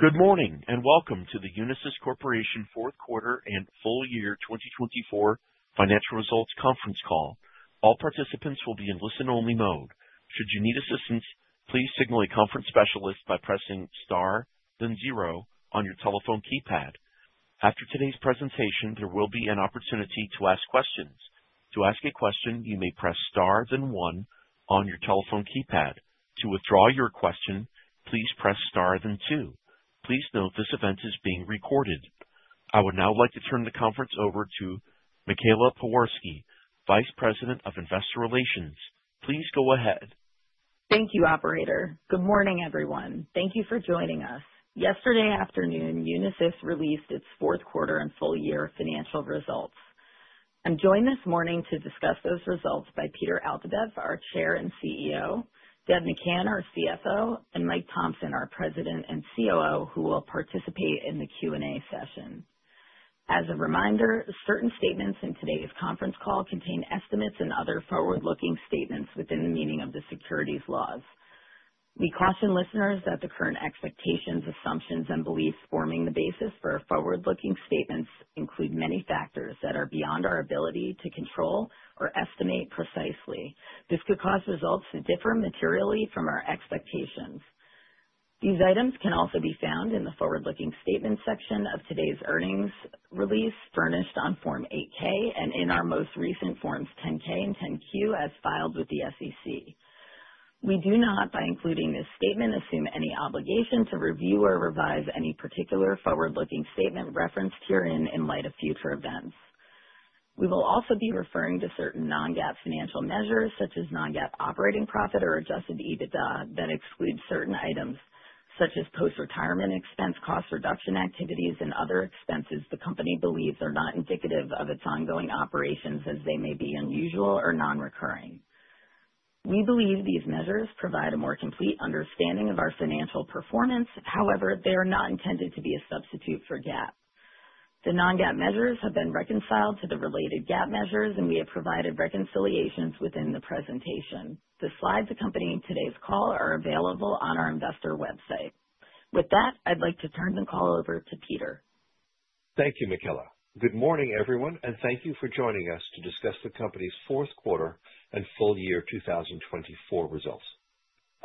Good morning and welcome to the Unisys Corporation Fourth Quarter and Full Year 2024 Financial Results Conference Call. All participants will be in listen-only mode. Should you need assistance, please signal a conference specialist by pressing star, then zero, on your telephone keypad. After today's presentation, there will be an opportunity to ask questions. To ask a question, you may press star, then one, on your telephone keypad. To withdraw your question, please press star, then two. Please note this event is being recorded. I would now like to turn the conference over to Michaela Pewarski, Vice President of Investor Relations. Please go ahead. Thank you, Operator. Good morning, everyone. Thank you for joining us. Yesterday afternoon, Unisys released its fourth quarter and full year financial results. I'm joined this morning to discuss those results by Peter Altabef, our Chair and CEO, Debra McCann, our CFO, and Mike Thomson, our President and COO, who will participate in the Q&A session. As a reminder, certain statements in today's conference call contain estimates and other forward-looking statements within the meaning of the securities laws. We caution listeners that the current expectations, assumptions, and beliefs forming the basis for our forward-looking statements include many factors that are beyond our ability to control or estimate precisely. This could cause results to differ materially from our expectations. These items can also be found in the forward-looking statement section of today's earnings release, furnished on Form 8-K, and in our most recent Forms 10-K and 10-Q as filed with the SEC. We do not, by including this statement, assume any obligation to review or revise any particular forward-looking statement referenced herein in light of future events. We will also be referring to certain non-GAAP financial measures, such as non-GAAP operating profit or adjusted EBITDA, that exclude certain items, such as post-retirement expense cost reduction activities and other expenses the company believes are not indicative of its ongoing operations, as they may be unusual or non-recurring. We believe these measures provide a more complete understanding of our financial performance. However, they are not intended to be a substitute for GAAP. The non-GAAP measures have been reconciled to the related GAAP measures, and we have provided reconciliations within the presentation. The slides accompanying today's call are available on our investor website. With that, I'd like to turn the call over to Peter. Thank you, Michaela. Good morning, everyone, and thank you for joining us to discuss the company's fourth quarter and full year 2024 results.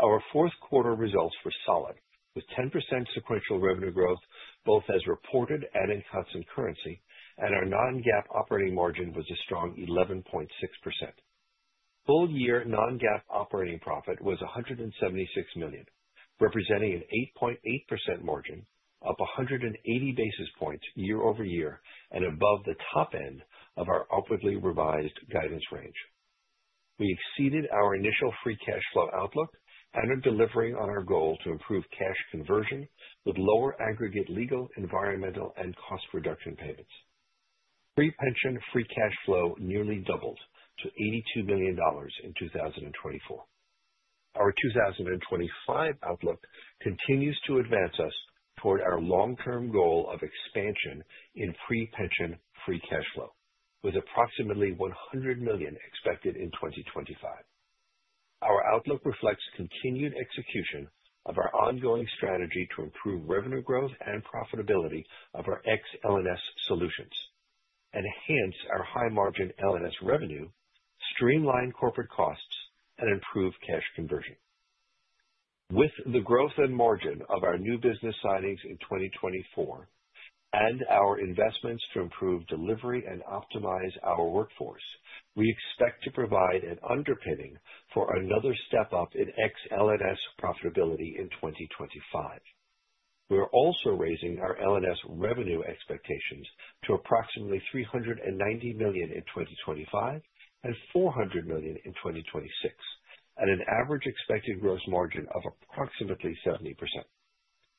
Our fourth quarter results were solid, with 10% sequential revenue growth both as reported and in constant currency, and our non-GAAP operating margin was a strong 11.6%. Full year non-GAAP operating profit was $176 million, representing an 8.8% margin, up 180 basis points year-over-year and above the top end of our upwardly revised guidance range. We exceeded our initial free cash flow outlook and are delivering on our goal to improve cash conversion with lower aggregate legal, environmental, and cost reduction payments. Pre-pension free cash flow nearly doubled to $82 million in 2024. Our 2025 outlook continues to advance us toward our long-term goal of expansion in pre-pension free cash flow, with approximately $100 million expected in 2025. Our outlook reflects continued execution of our ongoing strategy to improve revenue growth and profitability of our Ex-L&S solutions, enhance our high-margin L&S revenue, streamline corporate costs, and improve cash conversion. With the growth in margin of our new business signings in 2024 and our investments to improve delivery and optimize our workforce, we expect to provide an underpinning for another step up in Ex-L&S profitability in 2025. We are also raising our L&S revenue expectations to approximately $390 million in 2025 and $400 million in 2026, at an average expected gross margin of approximately 70%.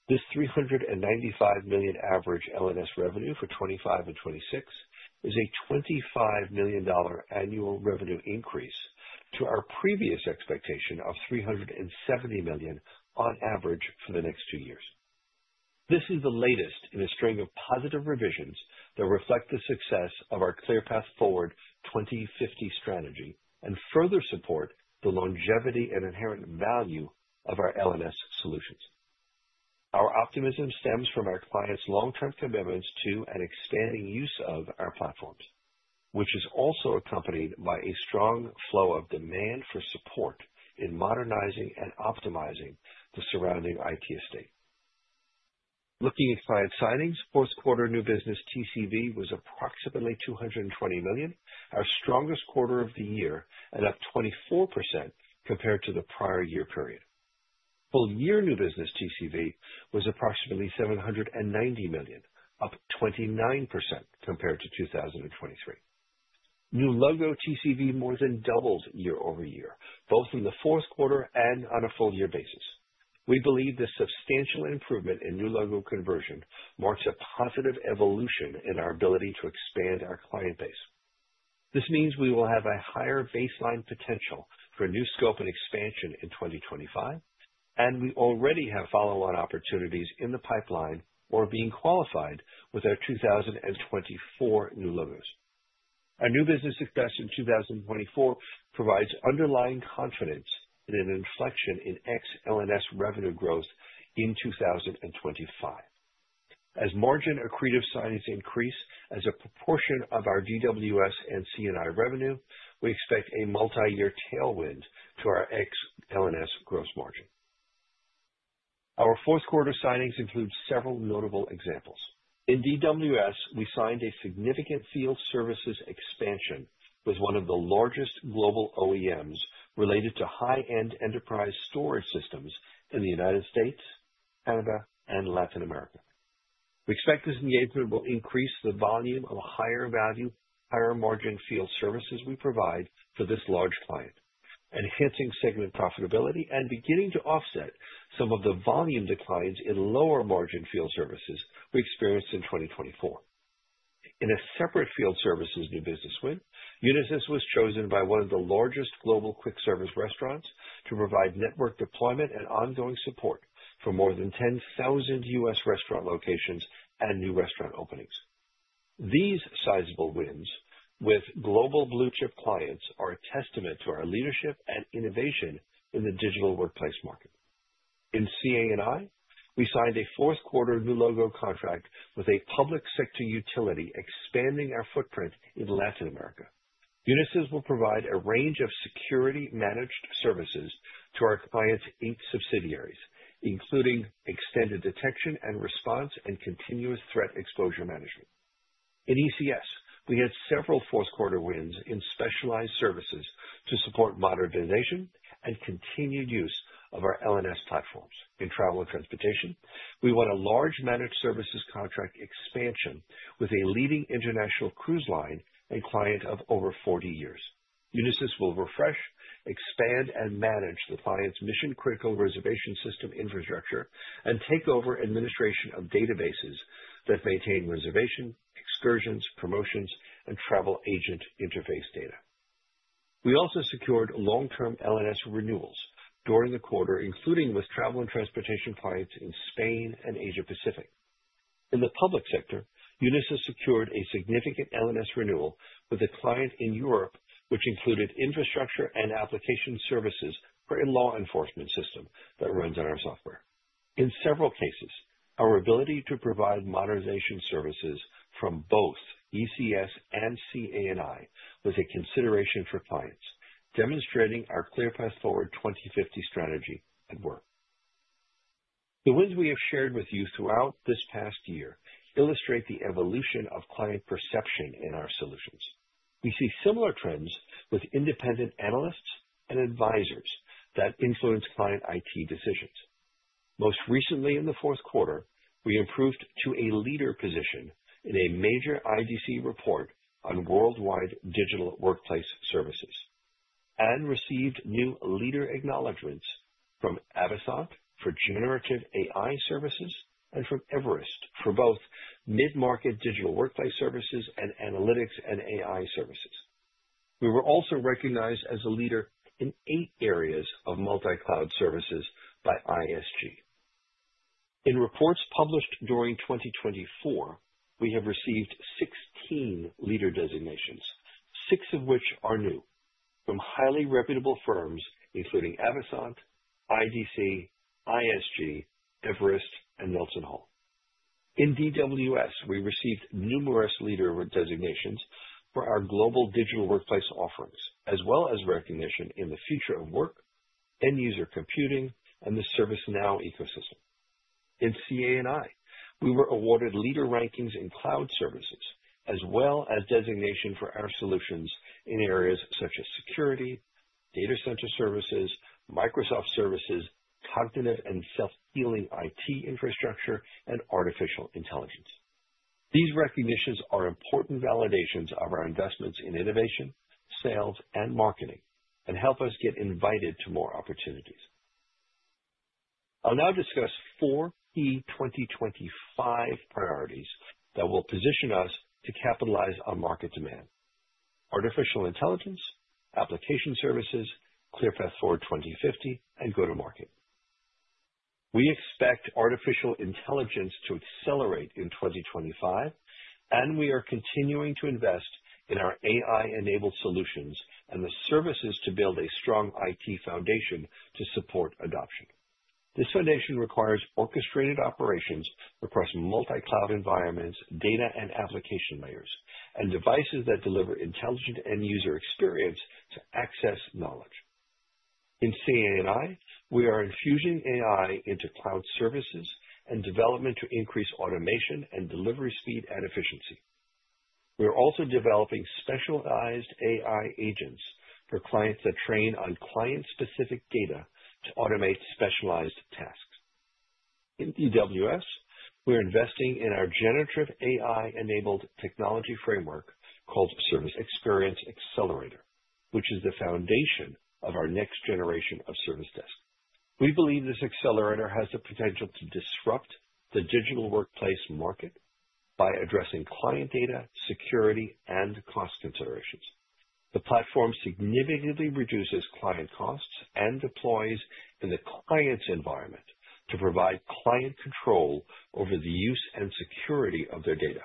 This $395 million average L&S revenue for 2025 and 2026 is a $25 million annual revenue increase to our previous expectation of $370 million on average for the next two years. This is the latest in a string of positive revisions that reflect the success of our ClearPath Forward 2050 strategy and further support the longevity and inherent value of our L&S solutions. Our optimism stems from our clients' long-term commitments to and expanding use of our platforms, which is also accompanied by a strong flow of demand for support in modernizing and optimizing the surrounding IT estate. Looking at client signings, fourth quarter new business TCV was approximately $220 million, our strongest quarter of the year, and up 24% compared to the prior year period. Full year new business TCV was approximately $790 million, up 29% compared to 2023. New logo TCV more than doubled year-over-year, both in the fourth quarter and on a full year basis. We believe this substantial improvement in new logo conversion marks a positive evolution in our ability to expand our client base. This means we will have a higher baseline potential for new scope and expansion in 2025, and we already have follow-on opportunities in the pipeline or being qualified with our 2024 new logos. Our new business success in 2024 provides underlying confidence in an inflection in Ex-L&S revenue growth in 2025. As margin accretive signings increase as a proportion of our DWS and C&I revenue, we expect a multi-year tailwind to our Ex-L&S gross margin. Our fourth quarter signings include several notable examples. In DWS, we signed a significant field services expansion with one of the largest global OEMs related to high-end enterprise storage systems in the United States, Canada, and Latin America. We expect this engagement will increase the volume of higher value, higher margin field services we provide for this large client, enhancing segment profitability and beginning to offset some of the volume declines in lower margin field services we experienced in 2024. In a separate field services new business win, Unisys was chosen by one of the largest global quick service restaurants to provide network deployment and ongoing support for more than 10,000 U.S. restaurant locations and new restaurant openings. These sizable wins with global blue-chip clients are a testament to our leadership and innovation in the digital workplace market. In C&I, we signed a fourth quarter new logo contract with a public sector utility expanding our footprint in Latin America. Unisys will provide a range of security-managed services to our client's eight subsidiaries, including extended detection and response and continuous threat exposure management. In ECS, we had several fourth quarter wins in specialized services to support modernization and continued use of our L&S platforms. In Travel and Transportation, we won a large managed services contract expansion with a leading international cruise line and client of over 40 years. Unisys will refresh, expand, and manage the client's mission-critical reservation system infrastructure and take over administration of databases that maintain reservation, excursions, promotions, and travel agent interface data. We also secured long-term L&S renewals during the quarter, including with Travel and Transportation clients in Spain and Asia Pacific. In the Public sector, Unisys secured a significant L&S renewal with a client in Europe, which included infrastructure and application services for a law enforcement system that runs on our software. In several cases, our ability to provide modernization services from both ECS and C&I was a consideration for clients, demonstrating our ClearPath Forward 2050 strategy at work. The wins we have shared with you throughout this past year illustrate the evolution of client perception in our solutions. We see similar trends with independent analysts and advisors that influence client IT decisions. Most recently, in the fourth quarter, we improved to a leader position in a major IDC report on worldwide digital workplace services and received new leader acknowledgments from Avasant for Generative AI services and from Everest Group for both mid-market digital workplace services and analytics and AI services. We were also recognized as a leader in eight areas of multi-cloud services by ISG. In reports published during 2024, we have received 16 leader designations, six of which are new, from highly reputable firms including Avasant, IDC, ISG, Everest Group, and NelsonHall. In DWS, we received numerous leader designations for our global digital workplace offerings, as well as recognition in the future of work, end-user computing, and the ServiceNow ecosystem. In C&I, we were awarded leader rankings in cloud services, as well as designation for our solutions in areas such as security, data center services, Microsoft services, cognitive and self-healing IT infrastructure, and artificial intelligence. These recognitions are important validations of our investments in innovation, sales, and marketing, and help us get invited to more opportunities. I'll now discuss four key 2025 priorities that will position us to capitalize on market demand: artificial intelligence, application services, ClearPath Forward 2050, and go-to-market. We expect artificial intelligence to accelerate in 2025, and we are continuing to invest in our AI-enabled solutions and the services to build a strong IT foundation to support adoption. This foundation requires orchestrated operations across multi-cloud environments, data and application layers, and devices that deliver intelligent end-user experience to access knowledge. In C&I, we are infusing AI into cloud services and development to increase automation and delivery speed and efficiency. We are also developing specialized AI agents for clients that train on client-specific data to automate specialized tasks. In DWS, we're investing in our Generative AI-enabled technology framework called Service Experience Accelerator, which is the foundation of our next generation of service desks. We believe this accelerator has the potential to disrupt the digital workplace market by addressing client data, security, and cost considerations. The platform significantly reduces client costs and deploys in the client's environment to provide client control over the use and security of their data.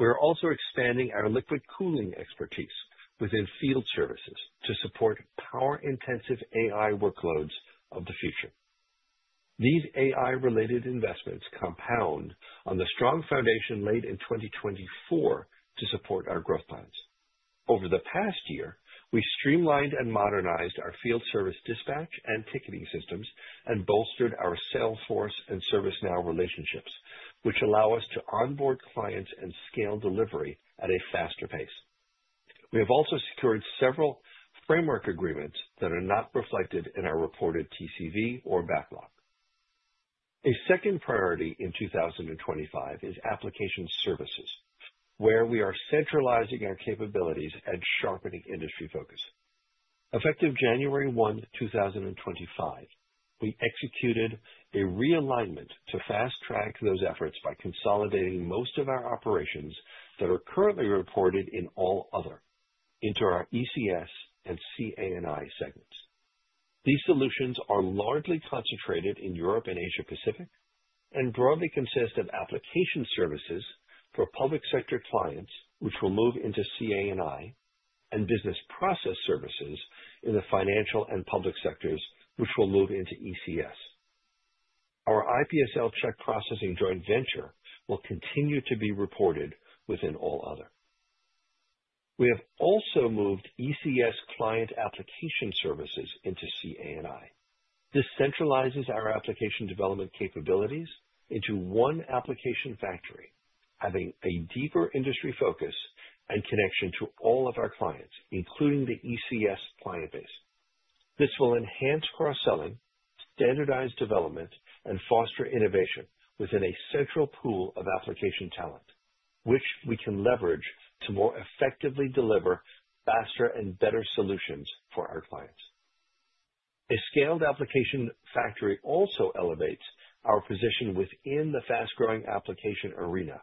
We are also expanding our liquid cooling expertise within field services to support power-intensive AI workloads of the future. These AI-related investments compound on the strong foundation laid in 2024 to support our growth plans. Over the past year, we streamlined and modernized our field service dispatch and ticketing systems and bolstered our Salesforce and ServiceNow relationships, which allow us to onboard clients and scale delivery at a faster pace. We have also secured several framework agreements that are not reflected in our reported TCV or backlog. A second priority in 2025 is application services, where we are centralizing our capabilities and sharpening industry focus. Effective January 1, 2025, we executed a realignment to fast-track those efforts by consolidating most of our operations that are currently reported in all other into our ECS and C&I segments. These solutions are largely concentrated in Europe and Asia Pacific and broadly consist of application services for public sector clients, which will move into C&I, and business process services in the financial and public sectors, which will move into ECS. Our iPSL check processing joint venture will continue to be reported within all other. We have also moved ECS client application services into C&I. This centralizes our application development capabilities into one application factory, having a deeper industry focus and connection to all of our clients, including the ECS client base. This will enhance cross-selling, standardized development, and foster innovation within a central pool of application talent, which we can leverage to more effectively deliver faster and better solutions for our clients. A scaled application factory also elevates our position within the fast-growing application arena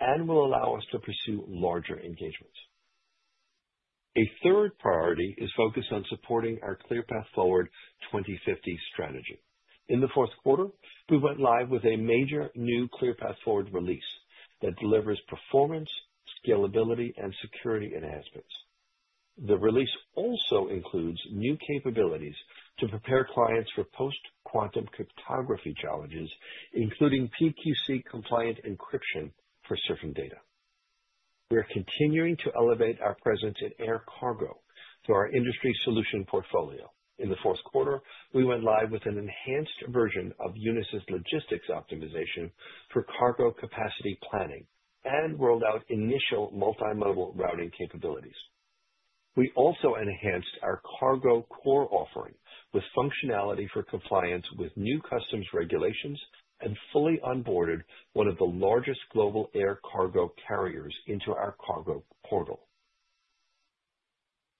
and will allow us to pursue larger engagements. A third priority is focused on supporting our ClearPath Forward 2050 strategy. In the fourth quarter, we went live with a major new ClearPath Forward release that delivers performance, scalability, and security enhancements. The release also includes new capabilities to prepare clients for Post-quantum cryptography challenges, including PQC-compliant encryption for surfing data. We are continuing to elevate our presence in air cargo through our industry solution portfolio. In the fourth quarter, we went live with an enhanced version of Unisys Logistics Optimization for cargo capacity planning and rolled out initial multi-modal routing capabilities. We also enhanced our Cargo Core offering with functionality for compliance with new customs regulations and fully onboarded one of the largest global air cargo carriers into our Cargo Portal.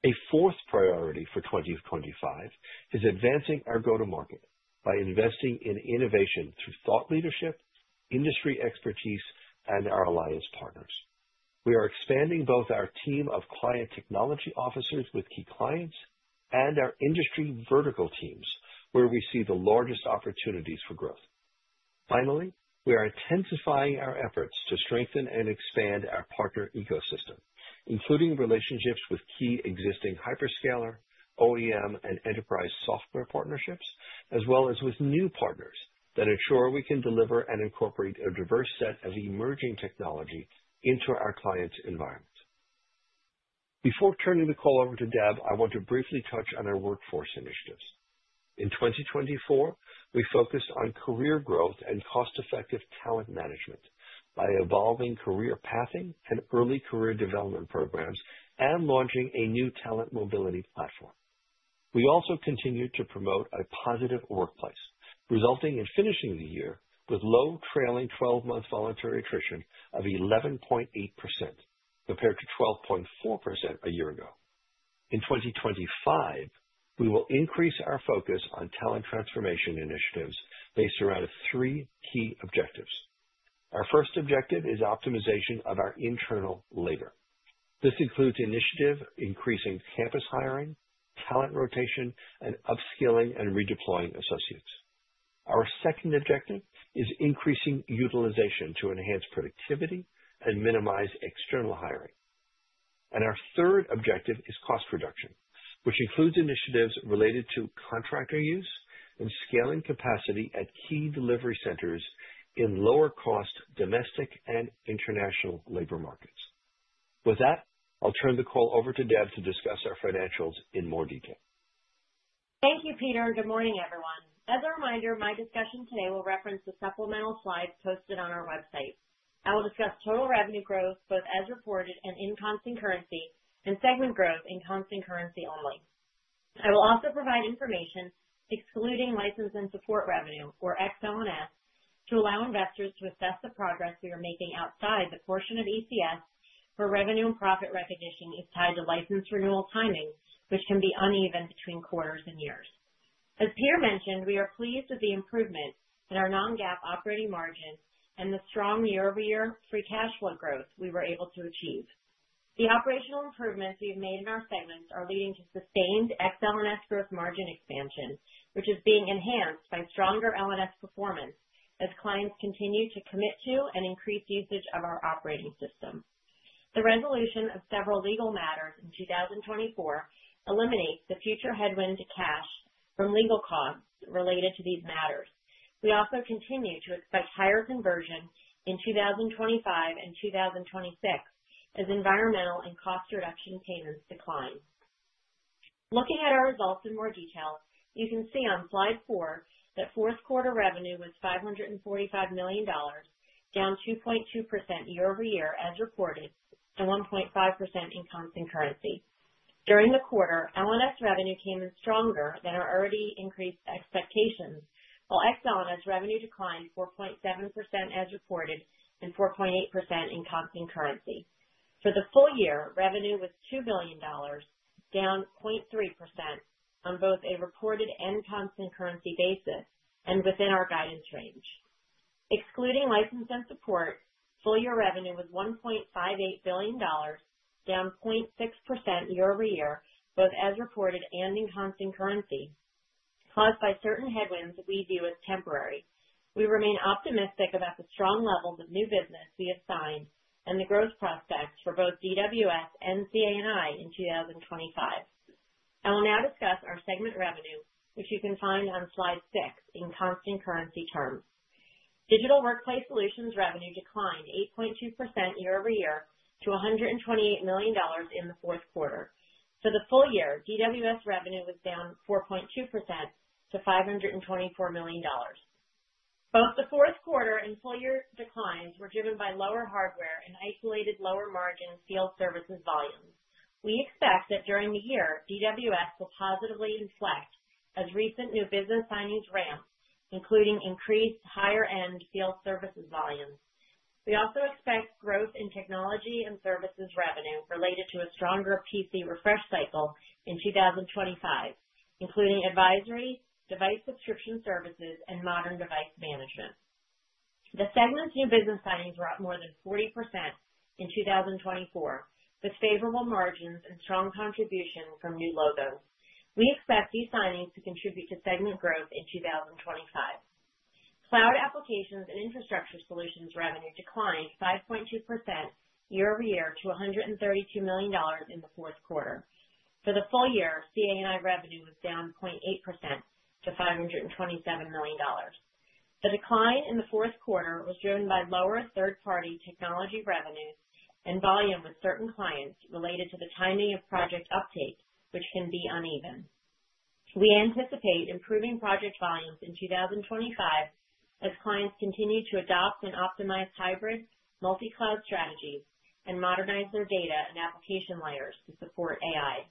A fourth priority for 2025 is advancing our go-to-market by investing in innovation through thought leadership, industry expertise, and our alliance partners. We are expanding both our team of client technology officers with key clients and our industry vertical teams, where we see the largest opportunities for growth. Finally, we are intensifying our efforts to strengthen and expand our partner ecosystem, including relationships with key existing hyperscaler, OEM, and enterprise software partnerships, as well as with new partners that ensure we can deliver and incorporate a diverse set of emerging technology into our client environment. Before turning the call over to Deb, I want to briefly touch on our workforce initiatives. In 2024, we focused on career growth and cost-effective talent management by evolving career pathing and early career development programs and launching a new talent mobility platform. We also continue to promote a positive workplace, resulting in finishing the year with low trailing 12-month voluntary attrition of 11.8% compared to 12.4% a year ago. In 2025, we will increase our focus on talent transformation initiatives based around three key objectives. Our first objective is optimization of our internal labor. This includes initiative increasing campus hiring, talent rotation, and upskilling and redeploying associates. Our second objective is increasing utilization to enhance productivity and minimize external hiring. Our third objective is cost reduction, which includes initiatives related to contractor use and scaling capacity at key delivery centers in lower-cost domestic and international labor markets. With that, I'll turn the call over to Deb to discuss our financials in more detail. Thank you, Peter. Good morning, everyone. As a reminder, my discussion today will reference the supplemental slides posted on our website. I will discuss total revenue growth, both as reported and in constant currency, and segment growth in constant currency only. I will also provide information excluding license and support revenue, or Ex-L&S, to allow investors to assess the progress we are making outside the portion of ECS where revenue and profit recognition is tied to license renewal timing, which can be uneven between quarters and years. As Peter mentioned, we are pleased with the improvement in our non-GAAP operating margin and the strong year-over-year free cash flow growth we were able to achieve. The operational improvements we have made in our segments are leading to sustained Ex-L&S growth margin expansion, which is being enhanced by stronger L&S performance as clients continue to commit to and increase usage of our operating system. The resolution of several legal matters in 2024 eliminates the future headwind to cash from legal costs related to these matters. We also continue to expect higher conversion in 2025 and 2026 as environmental and cost reduction payments decline. Looking at our results in more detail, you can see on slide IV that fourth quarter revenue was $545 million, down 2.2% year-over-year as reported and 1.5% in constant currency. During the quarter, L&S revenue came in stronger than our already increased expectations, while Ex-L&S revenue declined 4.7% as reported and 4.8% in constant currency. For the full year, revenue was $2 billion, down 0.3% on both a reported and constant currency basis and within our guidance range. Excluding license and support, full year revenue was $1.58 billion, down 0.6% year-over-year, both as reported and in constant currency, caused by certain headwinds that we view as temporary. We remain optimistic about the strong levels of new business we have signed and the growth prospects for both DWS and C&I in 2025. I will now discuss our segment revenue, which you can find on slide VI in constant currency terms. Digital Workplace Solutions revenue declined 8.2% year-over-year to $128 million in the fourth quarter. For the full year, DWS revenue was down 4.2%-$524 million. Both the fourth quarter and full year declines were driven by lower hardware and isolated lower margin field services volumes. We expect that during the year, DWS will positively inflect as recent new business signings ramp, including increased higher-end field services volumes. We also expect growth in technology and services revenue related to a stronger PC refresh cycle in 2025, including advisory, device subscription services, and modern device management. The segment's new business signings were up more than 40% in 2024, with favorable margins and strong contribution from new logos. We expect these signings to contribute to segment growth in 2025. Cloud applications and infrastructure solutions revenue declined 5.2% year-over-year to $132 million in the fourth quarter. For the full year, C&I revenue was down 0.8% to $527 million. The decline in the fourth quarter was driven by lower third-party technology revenues and volume with certain clients related to the timing of project uptake, which can be uneven. We anticipate improving project volumes in 2025 as clients continue to adopt and optimize hybrid multi-cloud strategies and modernize their data and application layers to support AI.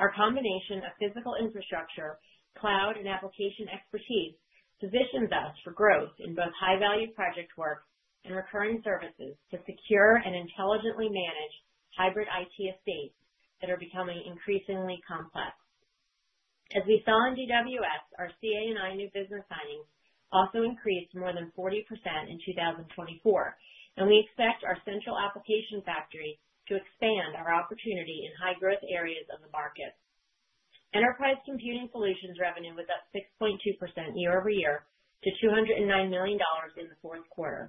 Our combination of physical infrastructure, cloud, and application expertise positions us for growth in both high-value project work and recurring services to secure and intelligently manage hybrid IT estates that are becoming increasingly complex. As we saw in DWS, our C&I new business signings also increased more than 40% in 2024, and we expect our central application factory to expand our opportunity in high-growth areas of the market. Enterprise computing solutions revenue was up 6.2% year-over-year to $209 million in the fourth quarter.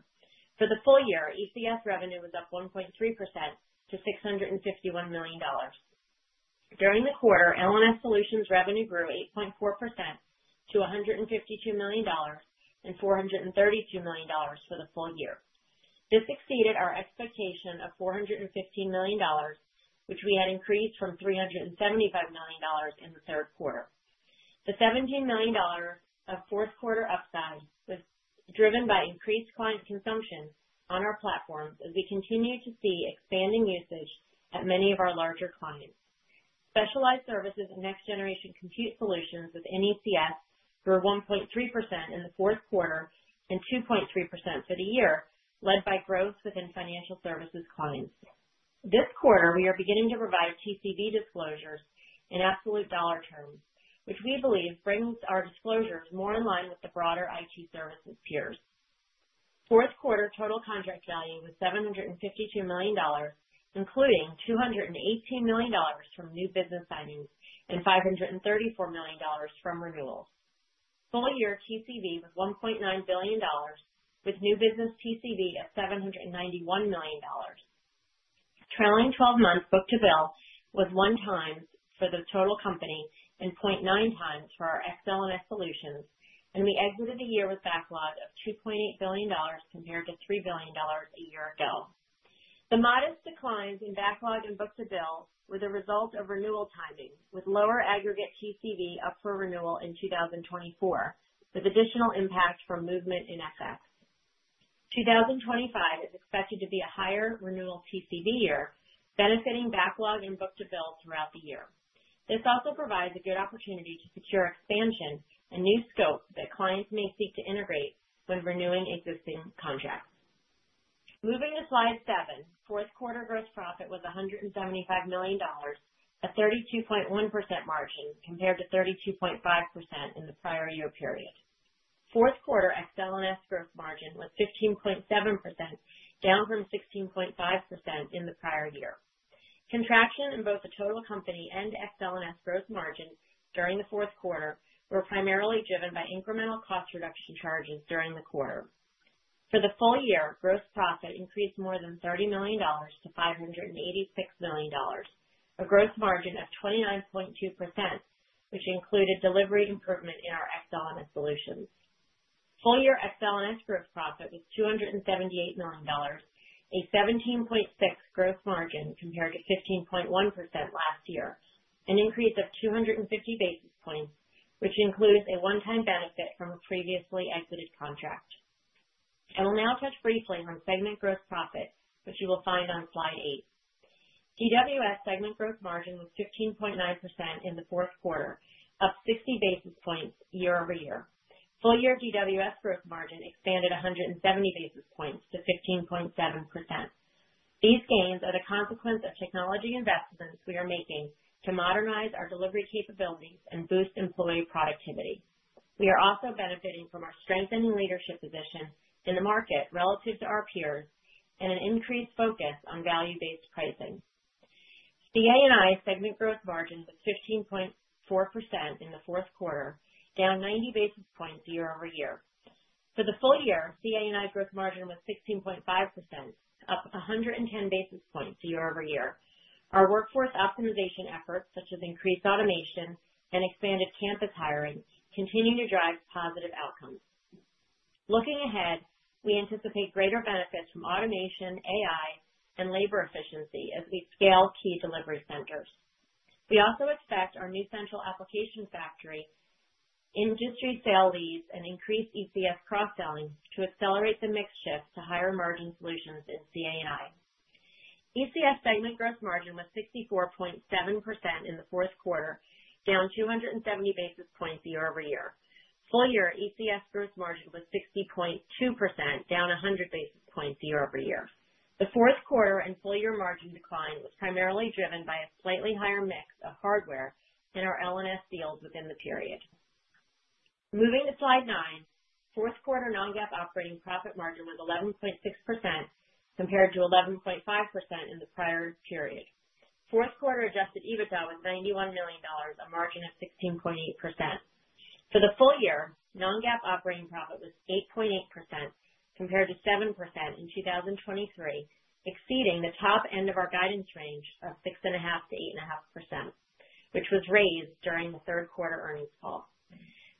For the full year, ECS revenue was up 1.3% to $651 million. During the quarter, L&S solutions revenue grew 8.4% to $152 million and $432 million for the full year. This exceeded our expectation of $415 million, which we had increased from $375 million in the third quarter. The $17 million of fourth quarter upside was driven by increased client consumption on our platforms as we continue to see expanding usage at many of our larger clients. Specialized services and next-generation compute solutions within ECS grew 1.3% in the fourth quarter and 2.3% for the year, led by growth within financial services clients. This quarter, we are beginning to provide TCV disclosures in absolute dollar terms, which we believe brings our disclosures more in line with the broader IT services peers. Fourth quarter total contract value was $752 million, including $218 million from new business signings and $534 million from renewals. Full year TCV was $1.9 billion, with new business TCV of $791 million. Trailing 12 months book-to-bill was one time for the total company and 0.9 times for our Ex-L&S solutions, and we exited the year with backlog of $2.8 billion compared to $3 billion a year ago. The modest declines in backlog and book-to-bill were the result of renewal timing, with lower aggregate TCV up for renewal in 2024, with additional impact from movement in FX. 2025 is expected to be a higher renewal TCV year, benefiting backlog and book-to-bill throughout the year. This also provides a good opportunity to secure expansion and new scope that clients may seek to integrate when renewing existing contracts. Moving to slide VII, fourth quarter gross profit was $175 million, a 32.1% margin compared to 32.5% in the prior year period. Fourth quarter Ex-L&S gross margin was 15.7%, down from 16.5% in the prior year. Contraction in both the total company and Ex-L&S gross margin during the fourth quarter were primarily driven by incremental cost reduction charges during the quarter. For the full year, gross profit increased more than $30 million-$586 million, a gross margin of 29.2%, which included delivery improvement in our Ex-L&S solutions. Full year Ex-L&S gross profit was $278 million, a 17.6% gross margin compared to 15.1% last year, an increase of 250 basis points, which includes a one-time benefit from a previously exited contract. I will now touch briefly on segment gross profit, which you will find on slide eight. DWS segment gross margin was 15.9% in the fourth quarter, up 60 basis points year-over-year. Full year DWS gross margin expanded 170 basis points to 15.7%. These gains are the consequence of technology investments we are making to modernize our delivery capabilities and boost employee productivity. We are also benefiting from our strengthening leadership position in the market relative to our peers and an increased focus on value-based pricing. C&I segment gross margin was 15.4% in the fourth quarter, down 90 basis points year-over-year. For the full year, C&I gross margin was 16.5%, up 110 basis points year-over-year. Our workforce optimization efforts, such as increased automation and expanded campus hiring, continue to drive positive outcomes. Looking ahead, we anticipate greater benefits from automation, AI, and labor efficiency as we scale key delivery centers. We also expect our new central application factory, industry sale leads, and increased ECS cross-selling to accelerate the mix shift to higher margin solutions in C&I. ECS segment gross margin was 64.7% in the fourth quarter, down 270 basis points year-over-year. Full year ECS gross margin was 60.2%, down 100 basis points year-over-year. The fourth quarter and full year margin decline was primarily driven by a slightly higher mix of hardware in our L&S deals within the period. Moving to slide IX, fourth quarter non-GAAP operating profit margin was 11.6% compared to 11.5% in the prior period. Fourth quarter adjusted EBITDA was $91 million, a margin of 16.8%. For the full year, non-GAAP operating profit was 8.8% compared to 7% in 2023, exceeding the top end of our guidance range of 6.5%-8.5%, which was raised during the third quarter earnings call.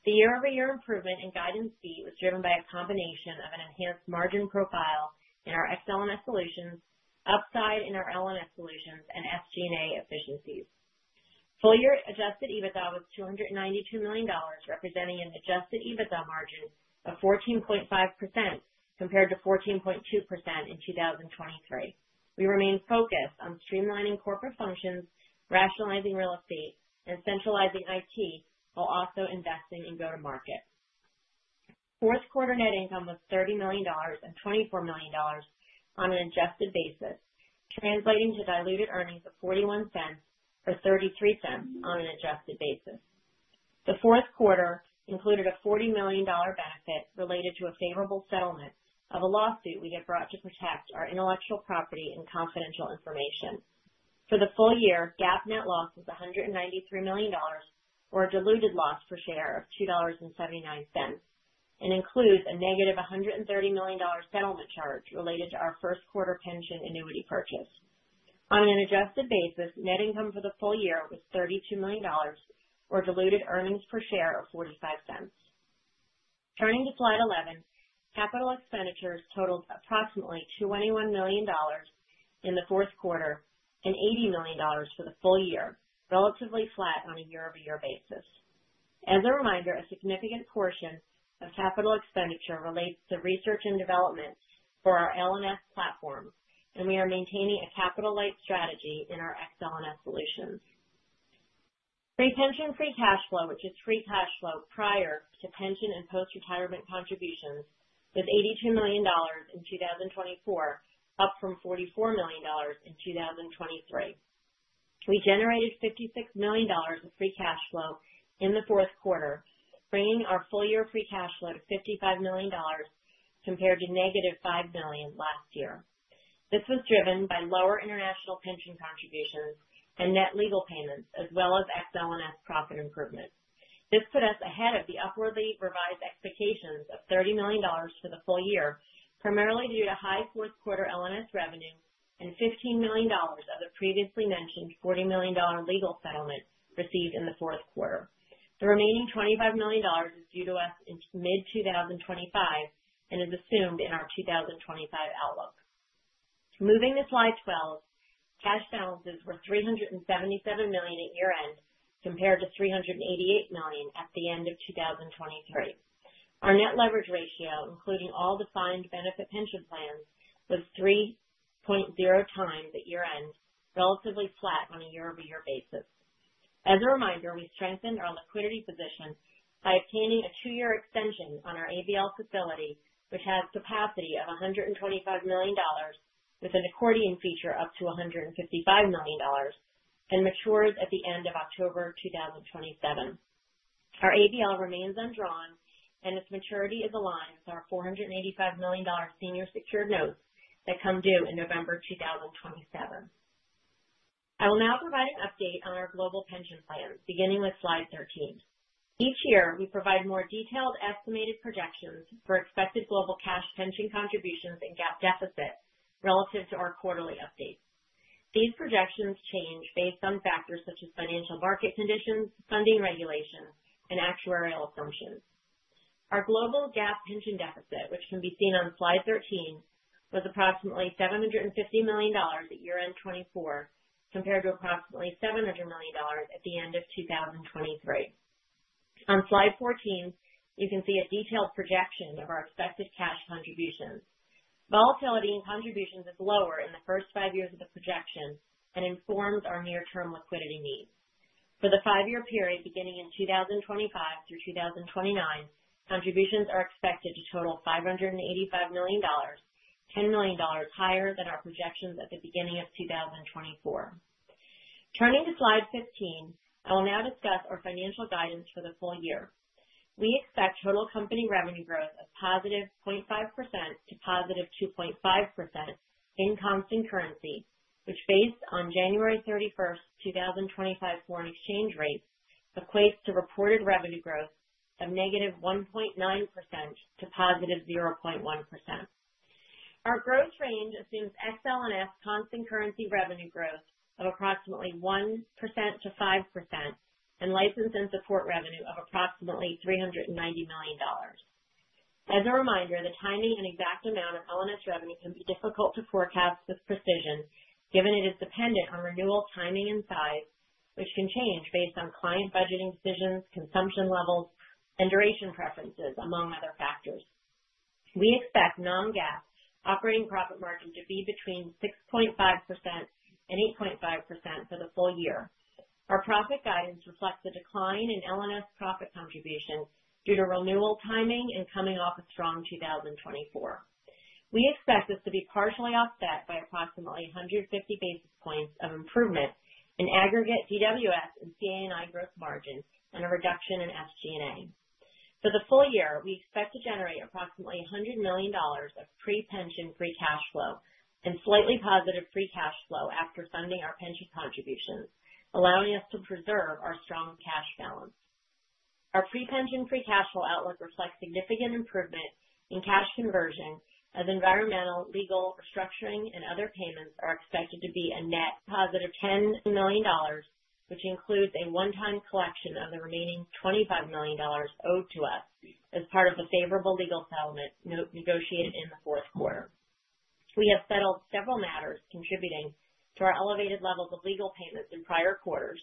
The year-over-year improvement in guidance fee was driven by a combination of an enhanced margin profile in our Ex-L&S solutions, upside in our L&S solutions, and SG&A efficiencies. Full year adjusted EBITDA was $292 million, representing an adjusted EBITDA margin of 14.5% compared to 14.2% in 2023. We remain focused on streamlining corporate functions, rationalizing real estate, and centralizing IT while also investing in go-to-market. Fourth quarter net income was $30 million and $24 million on an adjusted basis, translating to diluted earnings of $0.41 or $0.33 on an adjusted basis. The fourth quarter included a $40 million benefit related to a favorable settlement of a lawsuit we have brought to protect our intellectual property and confidential information. For the full year, GAAP net loss was $193 million, or a diluted loss per share of $2.79, and includes a negative $130 million settlement charge related to our first quarter pension annuity purchase. On an adjusted basis, net income for the full year was $32 million, or diluted earnings per share of $0.45. Turning to slide XI, capital expenditures totaled approximately $21 million in the fourth quarter and $80 million for the full year, relatively flat on a year-over-year basis. As a reminder, a significant portion of capital expenditure relates to research and development for our L&S platform, and we are maintaining a capital-light strategy in our Ex-L&S solutions. Pre-pension free cash flow, which is free cash flow prior to pension and post-retirement contributions, was $82 million in 2024, up from $44 million in 2023. We generated $56 million of free cash flow in the fourth quarter, bringing our full year free cash flow to $55 million compared to negative $5 million last year. This was driven by lower international pension contributions and net legal payments, as well as Ex-L&S profit improvement. This put us ahead of the upwardly revised expectations of $30 million for the full year, primarily due to high fourth quarter L&S revenue and $15 million of the previously mentioned $40 million legal settlement received in the fourth quarter. The remaining $25 million is due to us in mid-2025 and is assumed in our 2025 outlook. Moving to slide XII, cash balances were $377 million at year-end compared to $388 million at the end of 2023. Our net leverage ratio, including all defined benefit pension plans, was 3.0 times at year-end, relatively flat on a year-over-year basis. As a reminder, we strengthened our liquidity position by obtaining a two-year extension on our ABL facility, which has capacity of $125 million, with an accordion feature up to $155 million, and matures at the end of October 2027. Our ABL remains undrawn, and its maturity is aligned with our $485 million senior secured notes that come due in November 2027. I will now provide an update on our global pension plans, beginning with slide XIII. Each year, we provide more detailed estimated projections for expected global cash pension contributions and GAAP deficit relative to our quarterly updates. These projections change based on factors such as financial market conditions, funding regulation, and actuarial assumptions. Our global GAAP pension deficit, which can be seen on slide XIII, was approximately $750 million at year-end 2024 compared to approximately $700 million at the end of 2023. On slide XIV, you can see a detailed projection of our expected cash contributions. Volatility in contributions is lower in the first five years of the projection and informs our near-term liquidity needs. For the five-year period beginning in 2025 through 2029, contributions are expected to total $585 million, $10 million higher than our projections at the beginning of 2024. Turning to slide XV, I will now discuss our financial guidance for the full year. We expect total company revenue growth of +0.5%-+2.5% in constant currency, which, based on January 31st, 2025 foreign exchange rate, equates to reported revenue growth of negative 1.9% to positive 0.1%. Our growth range assumes Ex-L&S constant currency revenue growth of approximately 1%-5% and license and support revenue of approximately $390 million. As a reminder, the timing and exact amount of L&S revenue can be difficult to forecast with precision, given it is dependent on renewal timing and size, which can change based on client budgeting decisions, consumption levels, and duration preferences, among other factors. We expect non-GAAP operating profit margin to be between 6.5% and 8.5% for the full year. Our profit guidance reflects a decline in L&S profit contribution due to renewal timing and coming off a strong 2024. We expect this to be partially offset by approximately 150 basis points of improvement in aggregate DWS and C&I gross margins and a reduction in SG&A. For the full year, we expect to generate approximately $100 million of pre-pension free cash flow and slightly positive free cash flow after funding our pension contributions, allowing us to preserve our strong cash balance. Our pre-pension free cash flow outlook reflects significant improvement in cash conversion, as environmental, legal, restructuring, and other payments are expected to be a net positive $10 million, which includes a one-time collection of the remaining $25 million owed to us as part of a favorable legal settlement negotiated in the fourth quarter. We have settled several matters contributing to our elevated levels of legal payments in prior quarters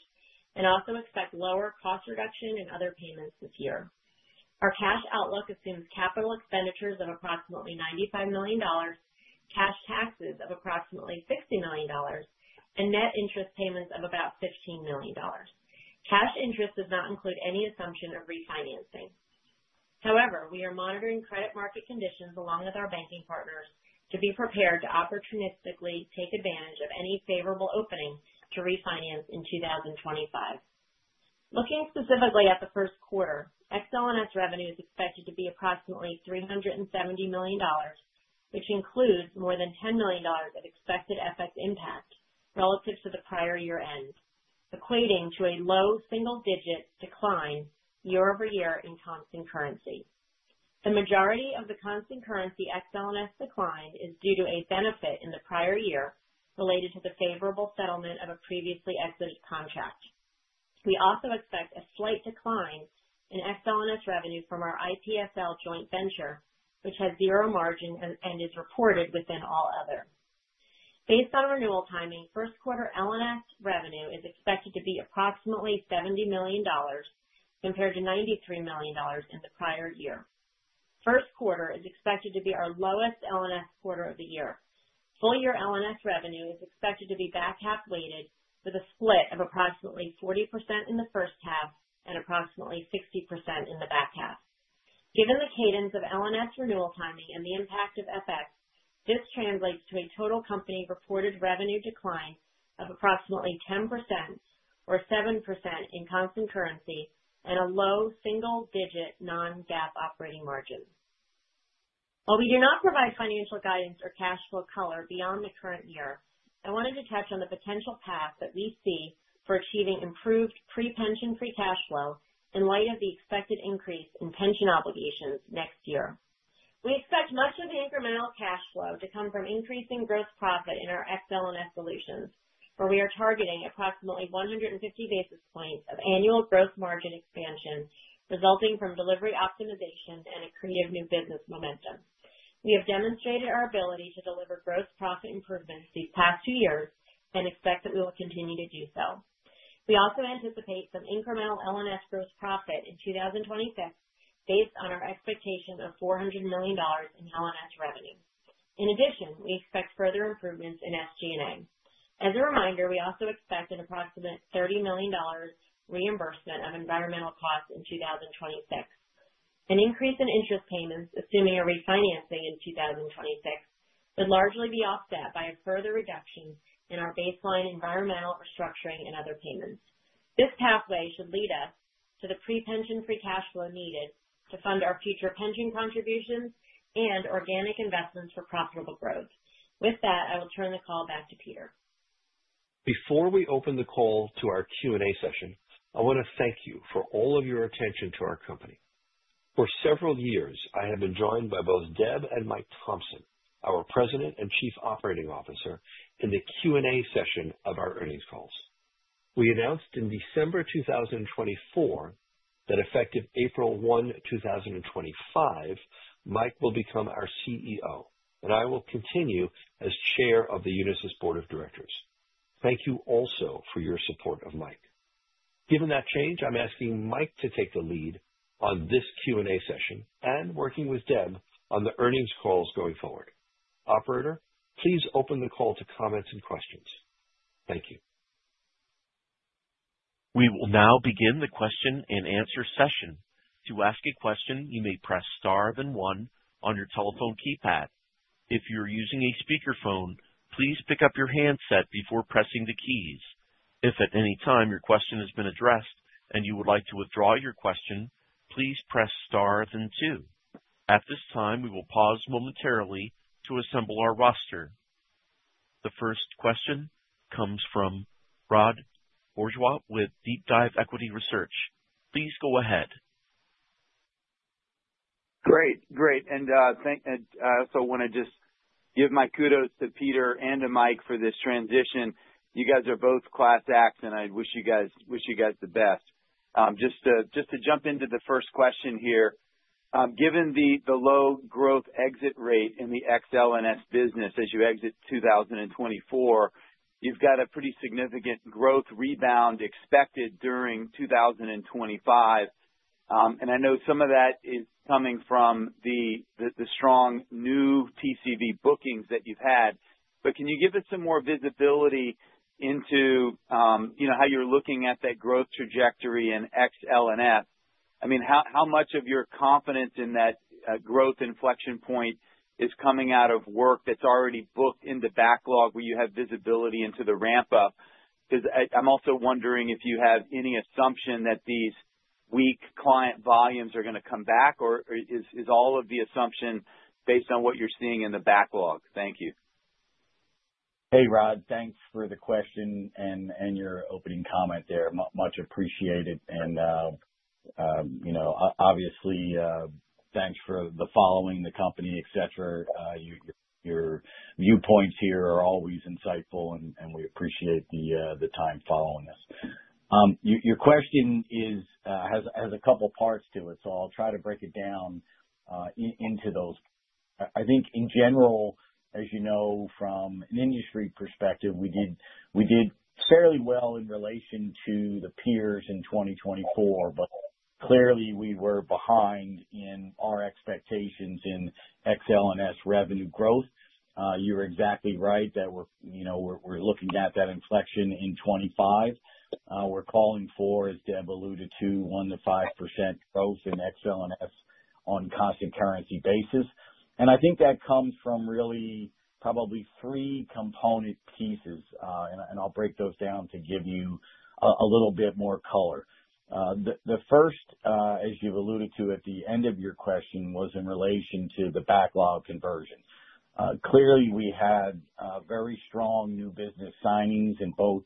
and also expect lower cost reduction and other payments this year. Our cash outlook assumes capital expenditures of approximately $95 million, cash taxes of approximately $60 million, and net interest payments of about $15 million. Cash interest does not include any assumption of refinancing. However, we are monitoring credit market conditions along with our banking partners to be prepared to opportunistically take advantage of any favorable opening to refinance in 2025. Looking specifically at the first quarter, Ex-L&S revenue is expected to be approximately $370 million, which includes more than $10 million of expected FX impact relative to the prior year-end, equating to a low single-digit decline year-over-year in constant currency. The majority of the constant currency Ex-L&S decline is due to a benefit in the prior year related to the favorable settlement of a previously exited contract. We also expect a slight decline in Ex-L&S revenue from our iPSL joint venture, which has zero margin and is reported within all others. Based on renewal timing, first quarter L&S revenue is expected to be approximately $70 million compared to $93 million in the prior year. First quarter is expected to be our lowest L&S quarter of the year. Full year L&S revenue is expected to be back half weighted with a split of approximately 40% in the first half and approximately 60% in the back half. Given the cadence of L&S renewal timing and the impact of FX, this translates to a total company reported revenue decline of approximately 10% or 7% in constant currency and a low single-digit non-GAAP operating margin. While we do not provide financial guidance or cash flow color beyond the current year, I wanted to touch on the potential path that we see for achieving improved pre-pension free cash flow in light of the expected increase in pension obligations next year. We expect much of the incremental cash flow to come from increasing gross profit in our Ex-L&S solutions, where we are targeting approximately 150 basis points of annual gross margin expansion resulting from delivery optimization and a creative new business momentum. We have demonstrated our ability to deliver gross profit improvements these past two years and expect that we will continue to do so. We also anticipate some incremental L&S gross profit in 2026 based on our expectation of $400 million in L&S revenue. In addition, we expect further improvements in SG&A. As a reminder, we also expect an approximate $30 million reimbursement of environmental costs in 2026. An increase in interest payments, assuming a refinancing in 2026, would largely be offset by a further reduction in our baseline environmental restructuring and other payments. This pathway should lead us to the pre-pension free cash flow needed to fund our future pension contributions and organic investments for profitable growth. With that, I will turn the call back to Peter. Before we open the call to our Q&A session, I want to thank you for all of your attention to our company. For several years, I have been joined by both Deb and Mike Thomson, our President and Chief Operating Officer, in the Q&A session of our earnings calls. We announced in December 2024 that effective April 1, 2025, Mike will become our CEO, and I will continue as Chair of the Unisys Board of Directors. Thank you also for your support of Mike. Given that change, I'm asking Mike to take the lead on this Q&A session and working with Deb on the earnings calls going forward. Operator, please open the call to comments and questions. Thank you. We will now begin the question and answer session. To ask a question, you may press star then one on your telephone keypad. If you're using a speakerphone, please pick up your handset before pressing the keys. If at any time your question has been addressed and you would like to withdraw your question, please press star then two. At this time, we will pause momentarily to assemble our roster. The first question comes from Rod Bourgeois with DeepDive Equity Research. Please go ahead. Great, great. I also want to just give my kudos to Peter and to Mike for this transition. You guys are both class acts, and I wish you guys the best. Just to jump into the first question here, given the low growth exit rate in the Ex-L&S business as you exit 2024, you've got a pretty significant growth rebound expected during 2025. I know some of that is coming from the strong new TCV bookings that you've had. Can you give us some more visibility into how you're looking at that growth trajectory in Ex-L&S? I mean, how much of your confidence in that growth inflection point is coming out of work that's already booked in the backlog where you have visibility into the ramp-up? Because I'm also wondering if you have any assumption that these weak client volumes are going to come back, or is all of the assumption based on what you're seeing in the backlog? Thank you. Hey, Rod, thanks for the question and your opening comment there. Much appreciated. Obviously, thanks for following the company, etc. Your viewpoints here are always insightful, and we appreciate the time following us. Your question has a couple of parts to it, so I'll try to break it down into those. I think, in general, as you know, from an industry perspective, we did fairly well in relation to the peers in 2024, but clearly we were behind in our expectations in Ex-L&S revenue growth. You're exactly right that we're looking at that inflection in 2025. We're calling for, as Deb alluded to, 1-5% growth in Ex-L&S on a constant currency basis. I think that comes from really probably three component pieces, and I'll break those down to give you a little bit more color. The first, as you've alluded to at the end of your question, was in relation to the backlog conversion. Clearly, we had very strong new business signings in both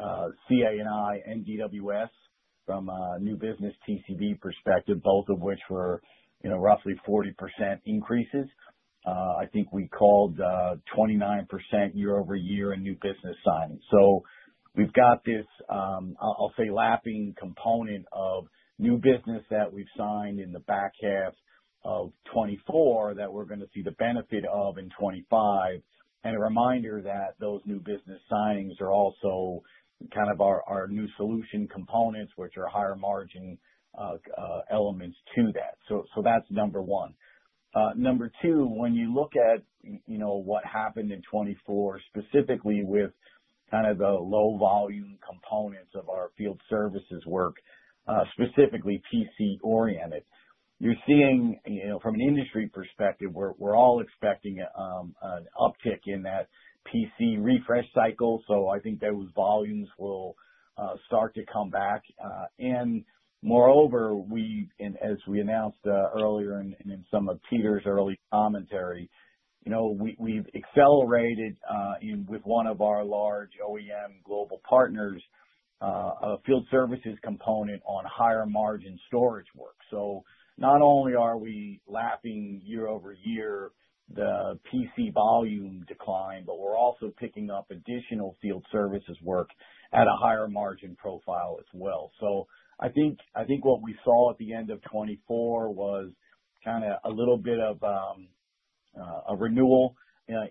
C&I and DWS from a new business TCV perspective, both of which were roughly 40% increases. I think we called 29% year-over-year in new business signings. We have this, I'll say, lapping component of new business that we have signed in the back half of 2024 that we are going to see the benefit of in 2025. A reminder that those new business signings are also kind of our new solution components, which are higher margin elements to that. That is number one. Number two, when you look at what happened in 2024, specifically with kind of the low volume components of our field services work, specifically PC-oriented, you are seeing from an industry perspective, we are all expecting an uptick in that PC refresh cycle. I think those volumes will start to come back. Moreover, as we announced earlier and in some of Peter's early commentary, we have accelerated with one of our large OEM global partners a field services component on higher margin storage work. Not only are we lapping year-over-year the PC volume decline, but we're also picking up additional field services work at a higher margin profile as well. I think what we saw at the end of 2024 was kind of a little bit of a renewal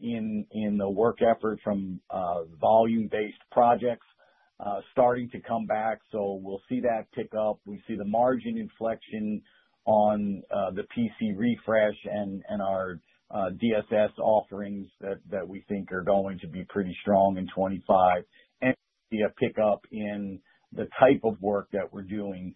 in the work effort from volume-based projects starting to come back. We'll see that pick up. We see the margin inflection on the PC refresh and our DSS offerings that we think are going to be pretty strong in 2025. We see a pickup in the type of work that we're doing.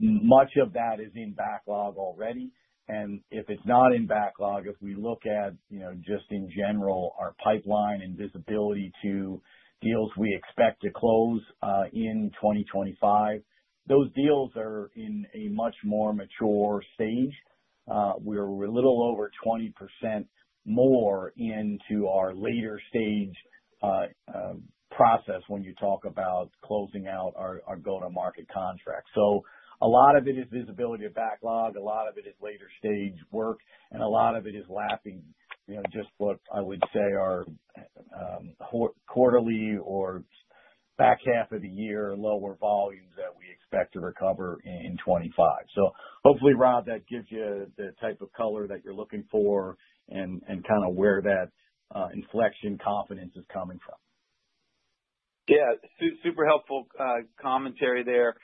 Much of that is in backlog already. If it's not in backlog, if we look at just in general, our pipeline and visibility to deals we expect to close in 2025, those deals are in a much more mature stage. We're a little over 20% more into our later-stage process when you talk about closing out our go-to-market contract. A lot of it is visibility of backlog. A lot of it is later-stage work. A lot of it is lapping just what I would say are quarterly or back half of the year lower volumes that we expect to recover in 2025. Hopefully, Rod, that gives you the type of color that you're looking for and kind of where that inflection confidence is coming from. Yeah. Super helpful commentary there.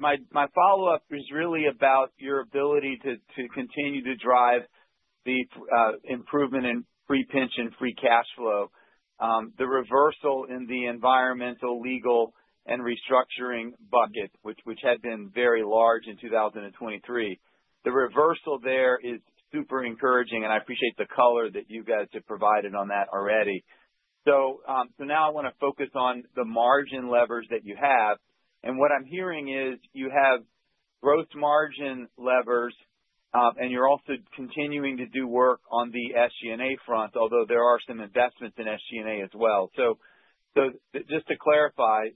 My follow-up is really about your ability to continue to drive the improvement in pre-pension free cash flow, the reversal in the environmental, legal, and restructuring bucket, which had been very large in 2023. The reversal there is super encouraging, and I appreciate the color that you guys have provided on that already. Now I want to focus on the margin levers that you have. What I'm hearing is you have gross margin levers, and you're also continuing to do work on the SG&A front, although there are some investments in SG&A as well. Just to clarify,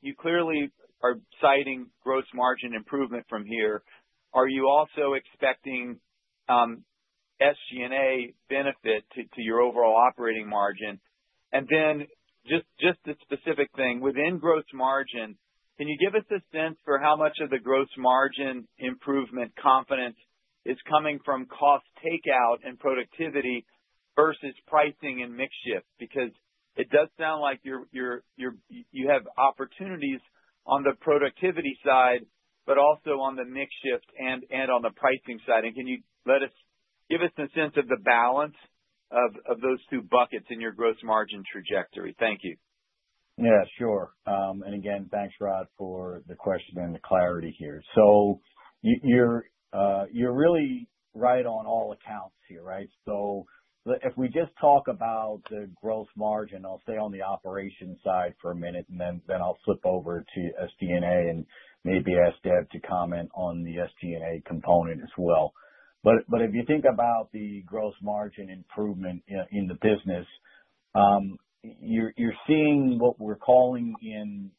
you clearly are citing gross margin improvement from here. Are you also expecting SG&A benefit to your overall operating margin? A specific thing within gross margin, can you give us a sense for how much of the gross margin improvement confidence is coming from cost takeout and productivity versus pricing and mixed shift? It does sound like you have opportunities on the productivity side, but also on the mixed shift and on the pricing side. Can you give us a sense of the balance of those two buckets in your gross margin trajectory? Thank you. Yeah, sure. Again, thanks, Rod, for the question and the clarity here. You're really right on all accounts here, right? If we just talk about the gross margin, I'll stay on the operation side for a minute, and then I'll flip over to SG&A and maybe ask Deb to comment on the SG&A component as well. If you think about the gross margin improvement in the business, you're seeing what we're calling in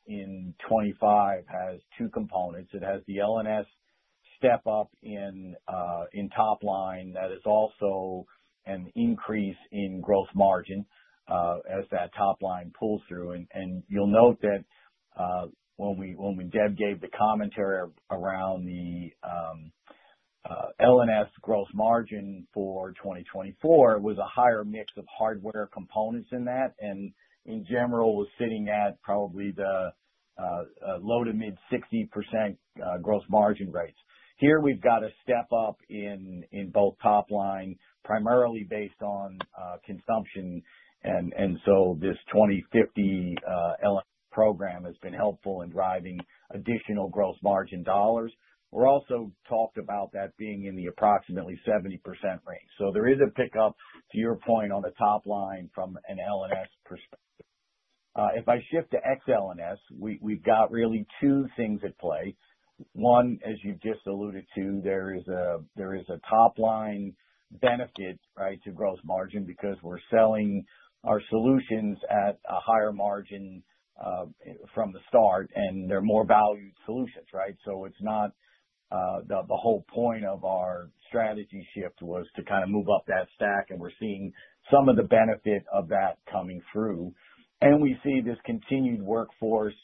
2025 has two components. It has the L&S step up in top line that is also an increase in gross margin as that top line pulls through. You'll note that when Deb gave the commentary around the L&S gross margin for 2024, it was a higher mix of hardware components in that, and in general, was sitting at probably the low to mid 60% gross margin rates. Here, we've got a step up in both top line, primarily based on consumption. This 2050 L&S program has been helpful in driving additional gross margin dollars. We also talked about that being in the approximately 70% range. There is a pickup, to your point, on the top line from an L&S perspective. If I shift to Ex-L&S, we've got really two things at play. One, as you've just alluded to, there is a top line benefit, right, to gross margin because we're selling our solutions at a higher margin from the start, and they're more valued solutions, right? The whole point of our strategy shift was to kind of move up that stack, and we're seeing some of the benefit of that coming through. We see this continued workforce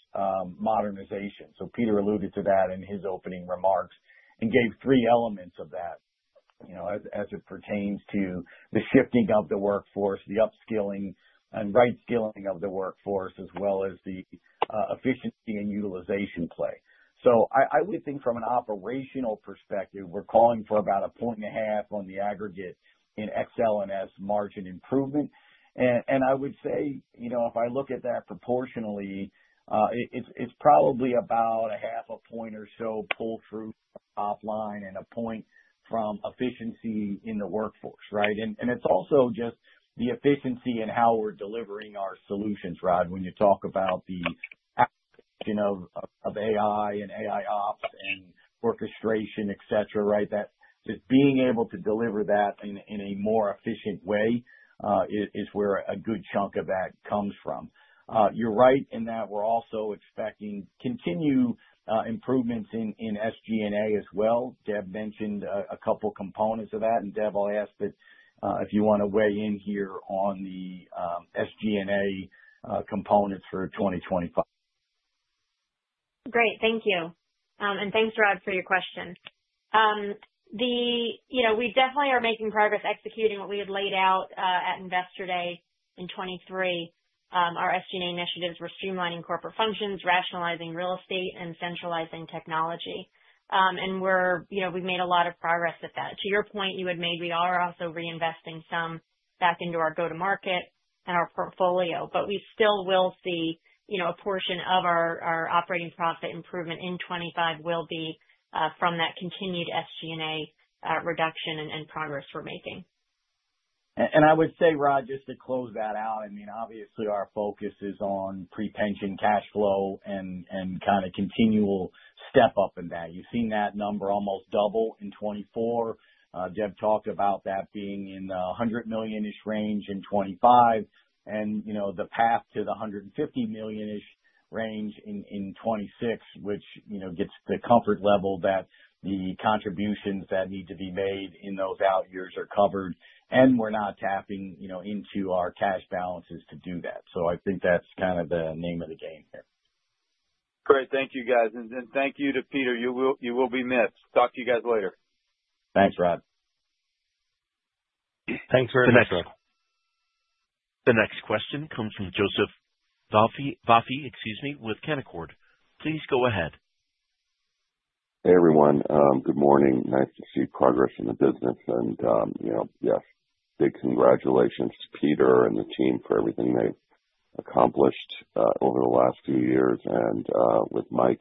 modernization. Peter alluded to that in his opening remarks and gave three elements of that as it pertains to the shifting of the workforce, the upskilling and right skilling of the workforce, as well as the efficiency and utilization play. I would think from an operational perspective, we're calling for about a point and a half on the aggregate in Ex-L&S margin improvement. I would say if I look at that proportionally, it's probably about a half a point or so pull through top line and a point from efficiency in the workforce, right? It's also just the efficiency and how we're delivering our solutions, Rod, when you talk about the application of AI and AI ops and orchestration, etc., right? Just being able to deliver that in a more efficient way is where a good chunk of that comes from. You're right in that we're also expecting continued improvements in SG&A as well. Deb mentioned a couple of components of that. Deb, I'll ask if you want to weigh in here on the SG&A components for 2025. Great. Thank you. Thanks, Rod, for your question. We definitely are making progress executing what we had laid out at Investor Day in 2023. Our SG&A initiatives were streamlining corporate functions, rationalizing real estate, and centralizing technology. We've made a lot of progress at that. To your point you had made, we are also reinvesting some back into our go-to-market and our portfolio. We still will see a portion of our operating profit improvement in 2025 will be from that continued SG&A reduction and progress we're making. I would say, Rod, just to close that out, I mean, obviously, our focus is on pre-pension cash flow and kind of continual step up in that. You've seen that number almost double in 2024. Deb talked about that being in the $100 million-ish range in 2025 and the path to the $150 million-ish range in 2026, which gets the comfort level that the contributions that need to be made in those out years are covered. We're not tapping into our cash balances to do that. I think that's kind of the name of the game here. Great. Thank you, guys. Thank you to Peter. You will be missed. Talk to you guys later. Thanks, Rod. Thanks very much, Rod. The next question comes from Joseph Vafi, excuse me, with Canaccord. Please go ahead. Hey, everyone. Good morning. Nice to see progress in the business. Yes, big congratulations to Peter and the team for everything they have accomplished over the last few years. With Mike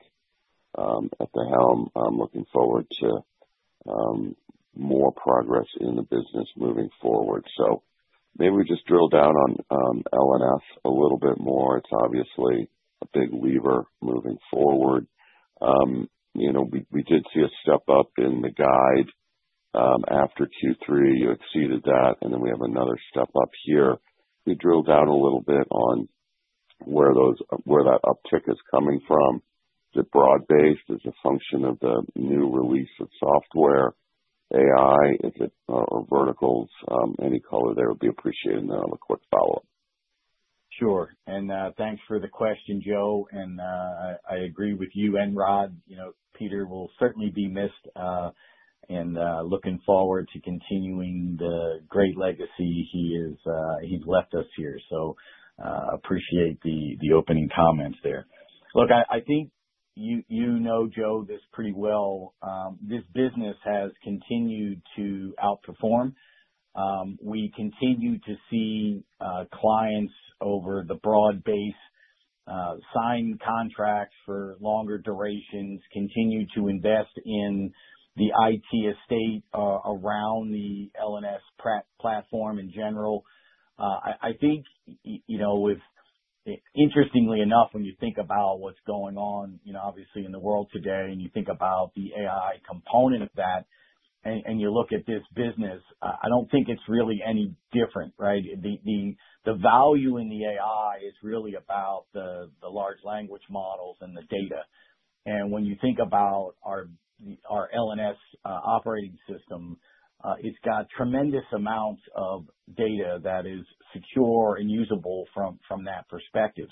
at the helm, I am looking forward to more progress in the business moving forward. Maybe we just drill down on L&S a little bit more. It is obviously a big lever moving forward. We did see a step up in the guide after Q3. You exceeded that. We have another step up here. We drilled down a little bit on where that uptick is coming from. Is it broad-based? Is it a function of the new release of software? AI? Is it verticals? Any color there would be appreciated. I will have a quick follow-up. Sure. Thanks for the question, Joe. I agree with you and Rod. Peter will certainly be missed. Looking forward to continuing the great legacy he has left us here. Appreciate the opening comments there. Look, I think you know, Joe, this pretty well. This business has continued to outperform. We continue to see clients over the broad base sign contracts for longer durations, continue to invest in the IT estate around the L&S platform in general. I think, interestingly enough, when you think about what's going on, obviously, in the world today, and you think about the AI component of that, and you look at this business, I don't think it's really any different, right? The value in the AI is really about the large language models and the data. And when you think about our L&S operating system, it's got tremendous amounts of data that is secure and usable from that perspective.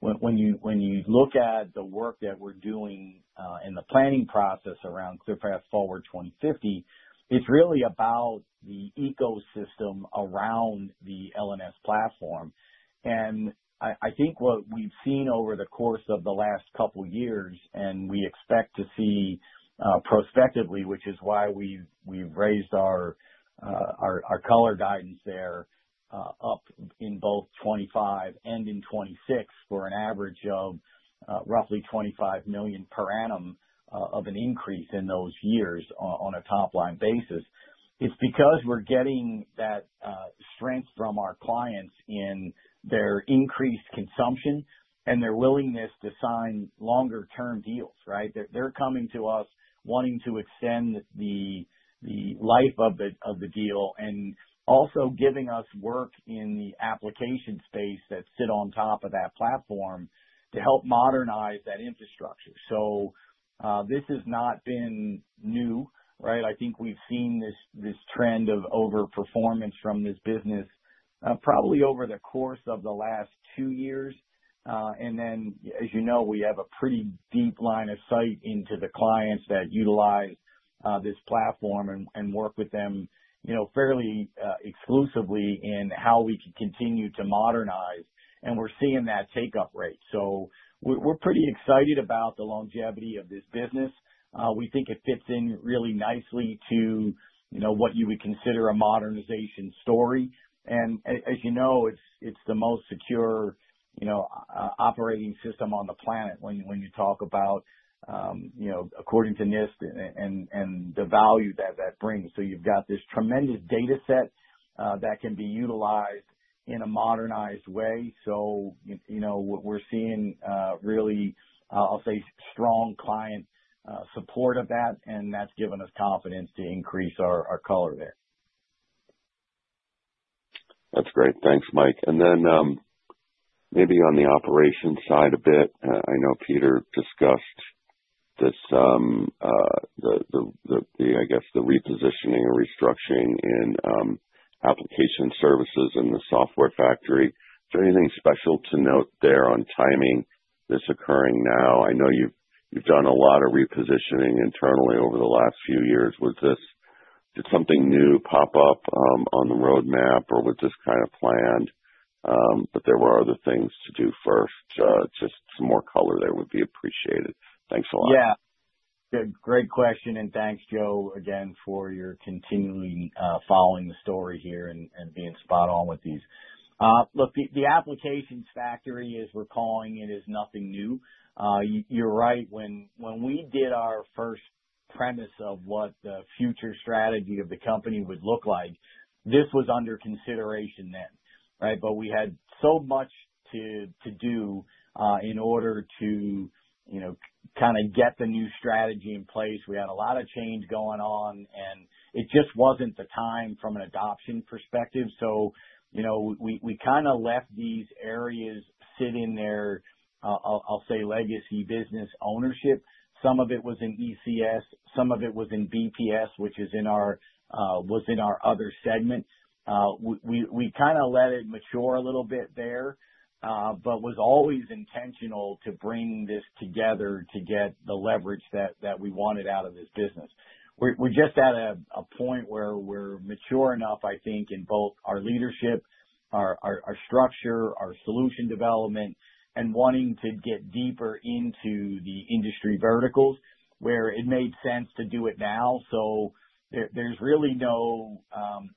When you look at the work that we're doing in the planning process around ClearPath Forward 2050, it's really about the ecosystem around the L&S platform. I think what we've seen over the course of the last couple of years, and we expect to see prospectively, which is why we've raised our color guidance there up in both 2025 and in 2026 for an average of roughly $25 million per annum of an increase in those years on a top line basis. It's because we're getting that strength from our clients in their increased consumption and their willingness to sign longer-term deals, right? They're coming to us wanting to extend the life of the deal and also giving us work in the application space that sit on top of that platform to help modernize that infrastructure. This has not been new, right? I think we've seen this trend of overperformance from this business probably over the course of the last two years. As you know, we have a pretty deep line of sight into the clients that utilize this platform and work with them fairly exclusively in how we can continue to modernize. We're seeing that take-up rate. We're pretty excited about the longevity of this business. We think it fits in really nicely to what you would consider a modernization story. As you know, it's the most secure operating system on the planet when you talk about, according to NIST, and the value that that brings. You've got this tremendous dataset that can be utilized in a modernized way. We're seeing really, I'll say, strong client support of that. That's given us confidence to increase our color there. That's great. Thanks, Mike. Then maybe on the operations side a bit, I know Peter discussed the, I guess, the repositioning or restructuring in application services and the software factory. Is there anything special to note there on timing this occurring now? I know you've done a lot of repositioning internally over the last few years. Did something new pop up on the roadmap, or was this kind of planned? There were other things to do first. Just some more color there would be appreciated. Thanks a lot. Yeah. Great question. Thanks, Joe, again, for your continually following the story here and being spot on with these. Look, the applications factory, as we're calling it, is nothing new. You're right. When we did our first premise of what the future strategy of the company would look like, this was under consideration then, right? We had so much to do in order to kind of get the new strategy in place. We had a lot of change going on, and it just wasn't the time from an adoption perspective. We kind of left these areas sitting there, I'll say, legacy business ownership. Some of it was in ECS. Some of it was in BPS, which is in our other segment. We kind of let it mature a little bit there, but it was always intentional to bring this together to get the leverage that we wanted out of this business. We're just at a point where we're mature enough, I think, in both our leadership, our structure, our solution development, and wanting to get deeper into the industry verticals where it made sense to do it now. There is really no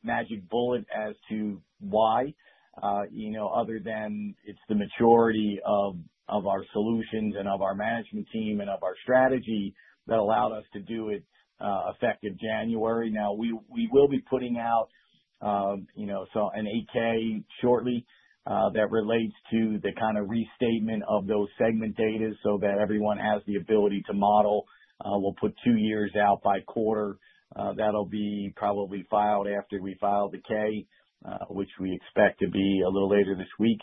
magic bullet as to why, other than it is the maturity of our solutions and of our management team and of our strategy that allowed us to do it effective January. We will be putting out an 8-K shortly that relates to the kind of restatement of those segment data so that everyone has the ability to model. We will put two years out by quarter. That will be probably filed after we file the K, which we expect to be a little later this week.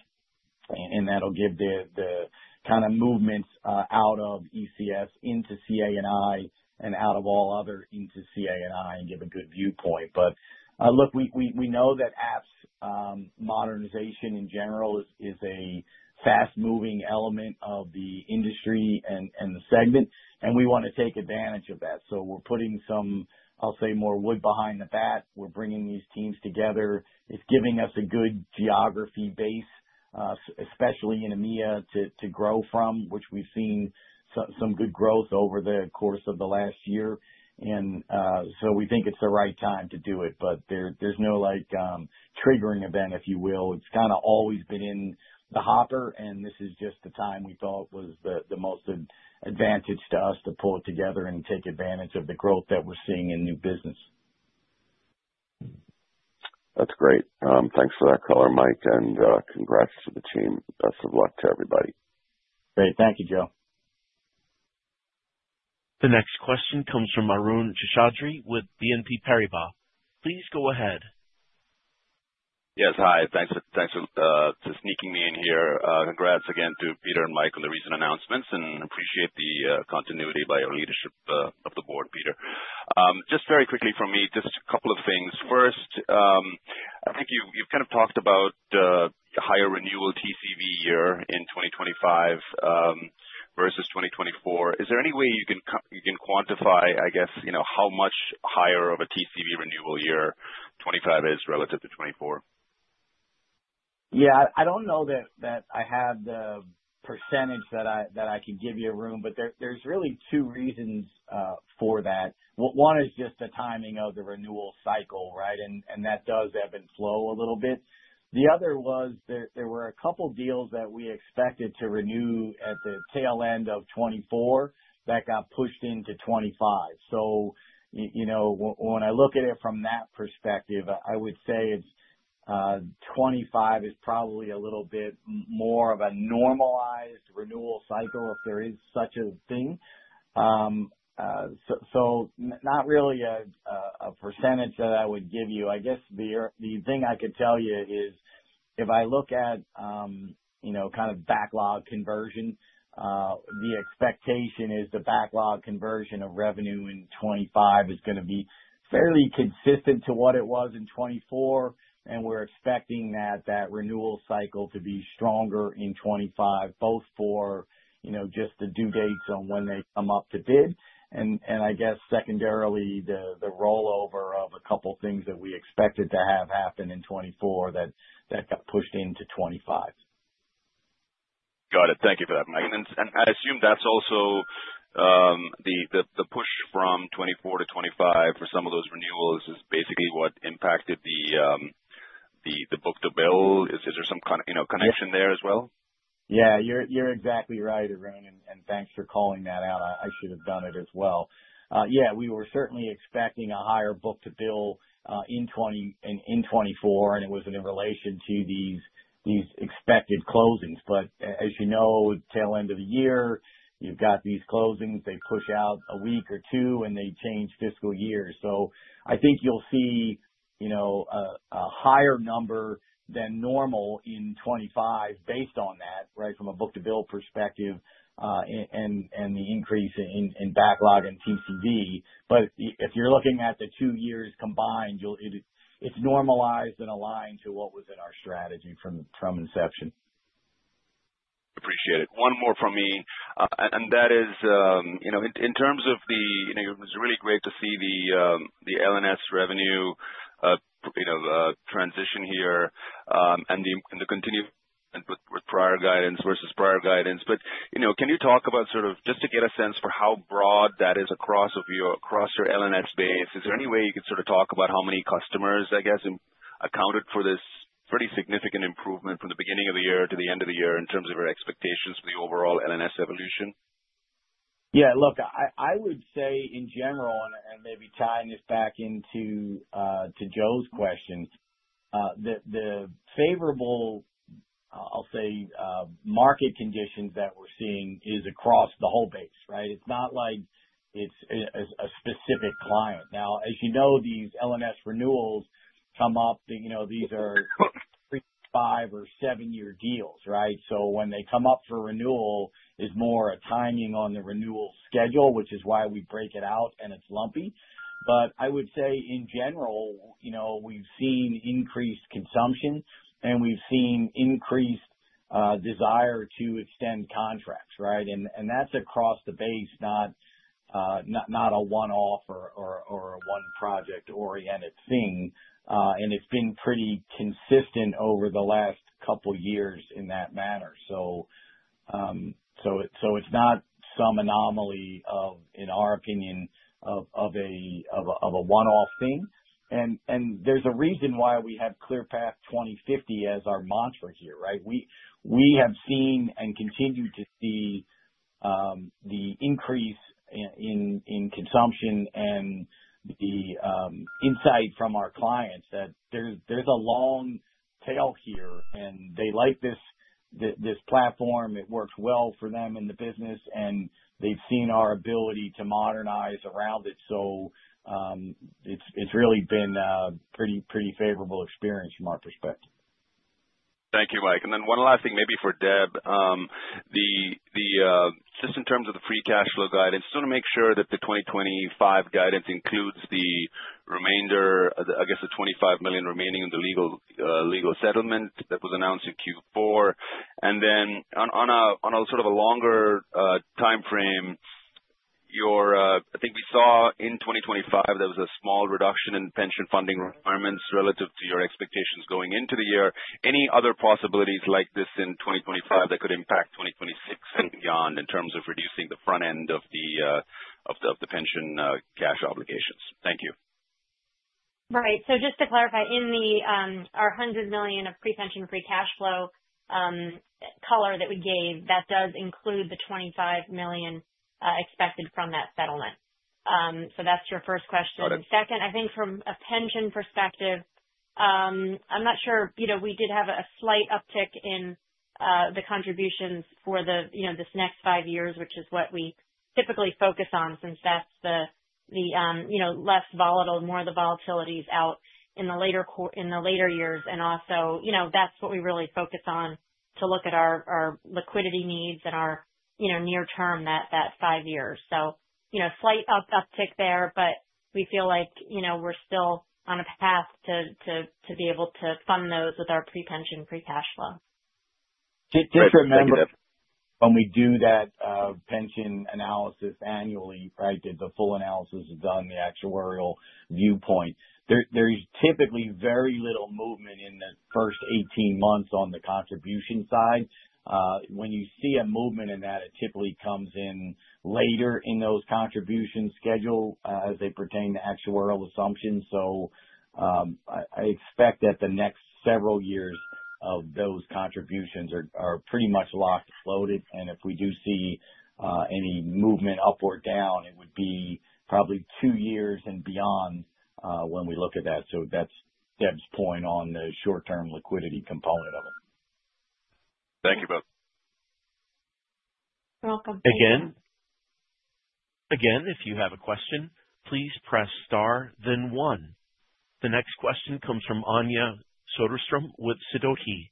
That will give the kind of movements out of ECS into CA&I and out of all other into CA&I and give a good viewpoint. Look, we know that apps modernization in general is a fast-moving element of the industry and the segment, and we want to take advantage of that. We are putting some, I will say, more wood behind the bat. We're bringing these teams together. It's giving us a good geography base, especially in EMEA to grow from, which we've seen some good growth over the course of the last year. We think it's the right time to do it, but there's no triggering event, if you will. It's kind of always been in the hopper, and this is just the time we thought was the most advantage to us to pull it together and take advantage of the growth that we're seeing in new business. That's great. Thanks for that color, Mike. And congrats to the team. Best of luck to everybody. Great. Thank you, Joe. The next question comes from Arun Seshadri with BNP Paribas. Please go ahead. Yes. Hi. Thanks for sneaking me in here. Congrats again to Peter and Mike on the recent announcements. I appreciate the continuity by our leadership of the board, Peter. Just very quickly from me, just a couple of things. First, I think you've kind of talked about a higher renewal TCV year in 2025 versus 2024. Is there any way you can quantify, I guess, how much higher of a TCV renewal year 2025 is relative to 2024? Yeah. I don't know that I have the percentage that I can give you, Arun, but there's really two reasons for that. One is just the timing of the renewal cycle, right? That does had and flow a little bit. The other was there were a couple of deals that we expected to renew at the tail end of 2024 that got pushed into 2025. When I look at it from that perspective, I would say 2025 is probably a little bit more of a normalized renewal cycle if there is such a thing. Not really a percentage that I would give you. I guess the thing I could tell you is if I look at kind of backlog conversion, the expectation is the backlog conversion of revenue in 2025 is going to be fairly consistent to what it was in 2024. We are expecting that renewal cycle to be stronger in 2025, both for just the due dates on when they come up to bid. I guess secondarily, the rollover of a couple of things that we expected to have happen in 2024 that got pushed into 2025. Got it. Thank you for that, Mike. I assume that's also the push from 2024-2025 for some of those renewals is basically what impacted the book-to-bill. Is there some kind of connection there as well? Yeah. You're exactly right, Arun. Thanks for calling that out. I should have done it as well. Yeah. We were certainly expecting a higher book-to-bill in 2024, and it was in relation to these expected closings. As you know, tail end of the year, you've got these closings. They push out a week or two, and they change fiscal years. I think you'll see a higher number than normal in 2025 based on that, right, from a book-to-bill perspective and the increase in backlog and TCV. If you're looking at the two years combined, it's normalized and aligned to what was in our strategy from inception. Appreciate it. One more from me. That is, in terms of the—it was really great to see the L&S revenue transition here and the continuation with prior guidance versus prior guidance. Can you talk about, just to get a sense for how broad that is across your L&S base? Is there any way you could talk about how many customers, I guess, accounted for this pretty significant improvement from the beginning of the year to the end of the year in terms of your expectations for the overall L&S evolution? Yeah. Look, I would say in general, and maybe tying this back into Joe's question, the favorable, I'll say, market conditions that we're seeing is across the whole base, right? It's not like it's a specific client. Now, as you know, these L&S renewals come up. These are three- to five- or seven-year deals, right? When they come up for renewal, it's more a timing on the renewal schedule, which is why we break it out, and it's lumpy. I would say, in general, we've seen increased consumption, and we've seen increased desire to extend contracts, right? That's across the base, not a one-off or a one-project-oriented thing. It's been pretty consistent over the last couple of years in that manner. It's not some anomaly, in our opinion, of a one-off thing. There's a reason why we have ClearPath 2050 as our mantra here, right? We have seen and continue to see the increase in consumption and the insight from our clients that there's a long tail here. They like this platform. It works well for them in the business. They've seen our ability to modernize around it. It has really been a pretty favorable experience from our perspective. Thank you, Mike. One last thing maybe for Deb. Just in terms of the free cash flow guidance, I just want to make sure that the 2025 guidance includes the remainder, I guess, the $25 million remaining in the legal settlement that was announced in Q4. On a sort of a longer timeframe, I think we saw in 2025 there was a small reduction in pension funding requirements relative to your expectations going into the year. Any other possibilities like this in 2025 that could impact 2026 and beyond in terms of reducing the front end of the pension cash obligations? Thank you. Right. Just to clarify, in our $100 million of pre-pension free cash flow color that we gave, that does include the $25 million expected from that settlement. That is your first question. Second, I think from a pension perspective, I'm not sure. We did have a slight uptick in the contributions for this next five years, which is what we typically focus on since that is the less volatile, more of the volatility is out in the later years. Also, that is what we really focus on to look at our liquidity needs and our near-term, that five years. Slight uptick there, but we feel like we're still on a path to be able to fund those with our pre-pension free cash flow. Just remember, when we do that pension analysis annually, right, the full analysis is done, the actuarial viewpoint, there is typically very little movement in the first 18 months on the contribution side. When you see a movement in that, it typically comes in later in those contribution schedules as they pertain to actuarial assumptions. I expect that the next several years of those contributions are pretty much locked and floated. If we do see any movement up or down, it would be probably two years and beyond when we look at that. That is Deb's point on the short-term liquidity component of it. Thank you both. You're welcome. Again, if you have a question, please press star, then one. The next question comes from Anja Soderstrom with Sidoti.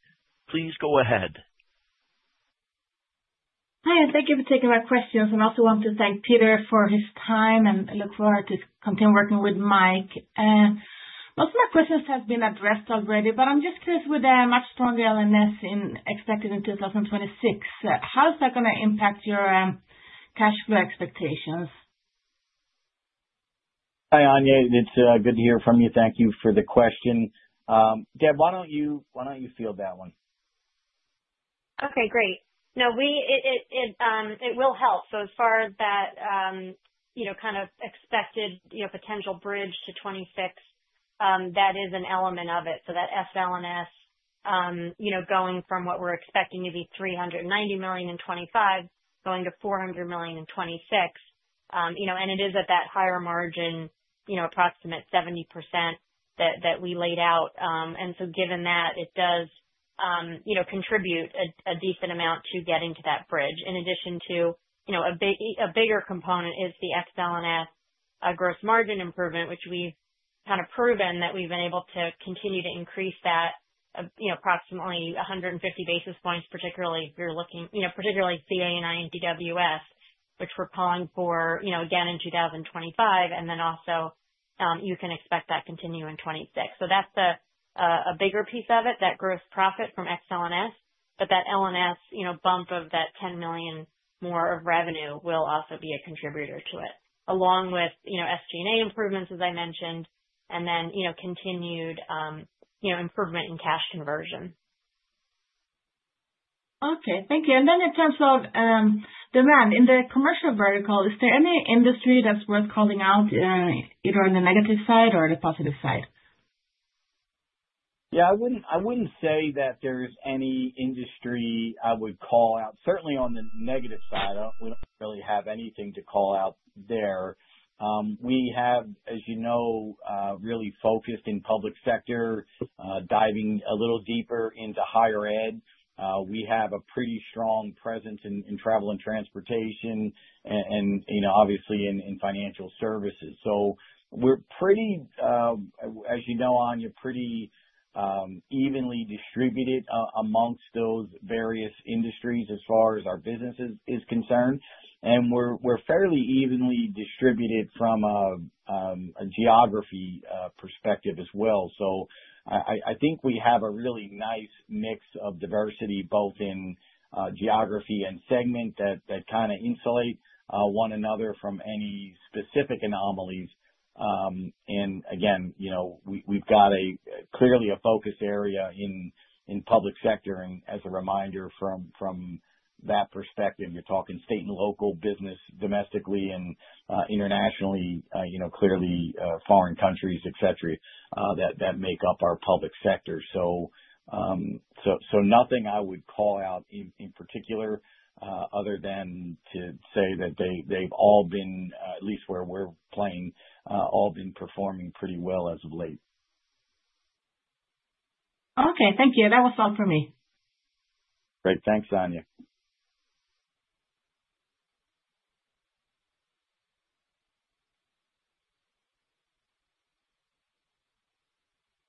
Please go ahead. Hi. Thank you for taking my questions. I also want to thank Peter for his time and look forward to continue working with Mike. Most of my questions have been addressed already, but I'm just curious with a much stronger L&S expected in 2026. How is that going to impact your cash flow expectations? Hi, Anja. It's good to hear from you. Thank you for the question. Deb, why don't you fill that one? Okay. Great. No, it will help. As far as that kind of expected potential bridge to 2026, that is an element of it. That SL&S going from what we're expecting to be $390 million in 2025 going to $400 million in 2026. It is at that higher margin, approximate 70% that we laid out. Given that, it does contribute a decent amount to getting to that bridge. In addition, a bigger component is the SL&S gross margin improvement, which we've kind of proven that we've been able to continue to increase that approximately 150 basis points, particularly if you're looking particularly CA&I and DWS, which we're pulling for again in 2025. You can expect that to continue in 2026. That is a bigger piece of it, that gross profit from SL&S. That L&S bump of that $10 million more of revenue will also be a contributor to it, along with SG&A improvements, as I mentioned, and then continued improvement in cash conversion. Okay. Thank you. In terms of demand in the commercial vertical, is there any industry that's worth calling out either on the negative side or the positive side? Yeah. I wouldn't say that there's any industry I would call out. Certainly on the negative side, we don't really have anything to call out there. We have, as you know, really focused in public sector, diving a little deeper into higher ed. We have a pretty strong presence in Travel and Transportation and obviously in financial services. So we're pretty, as you know, Anja, pretty evenly distributed amongst those various industries as far as our business is concerned. We are fairly evenly distributed from a geography perspective as well. I think we have a really nice mix of diversity both in geography and segment that kind of insulate one another from any specific anomalies. Again, we have clearly a focus area in public sector. As a reminder, from that perspective, you are talking state and local business domestically and internationally, clearly foreign countries, etc., that make up our public sector. Nothing I would call out in particular other than to say that they have all been, at least where we are playing, all been performing pretty well as of late. Okay. Thank you. That was all for me. Great. Thanks, Anja.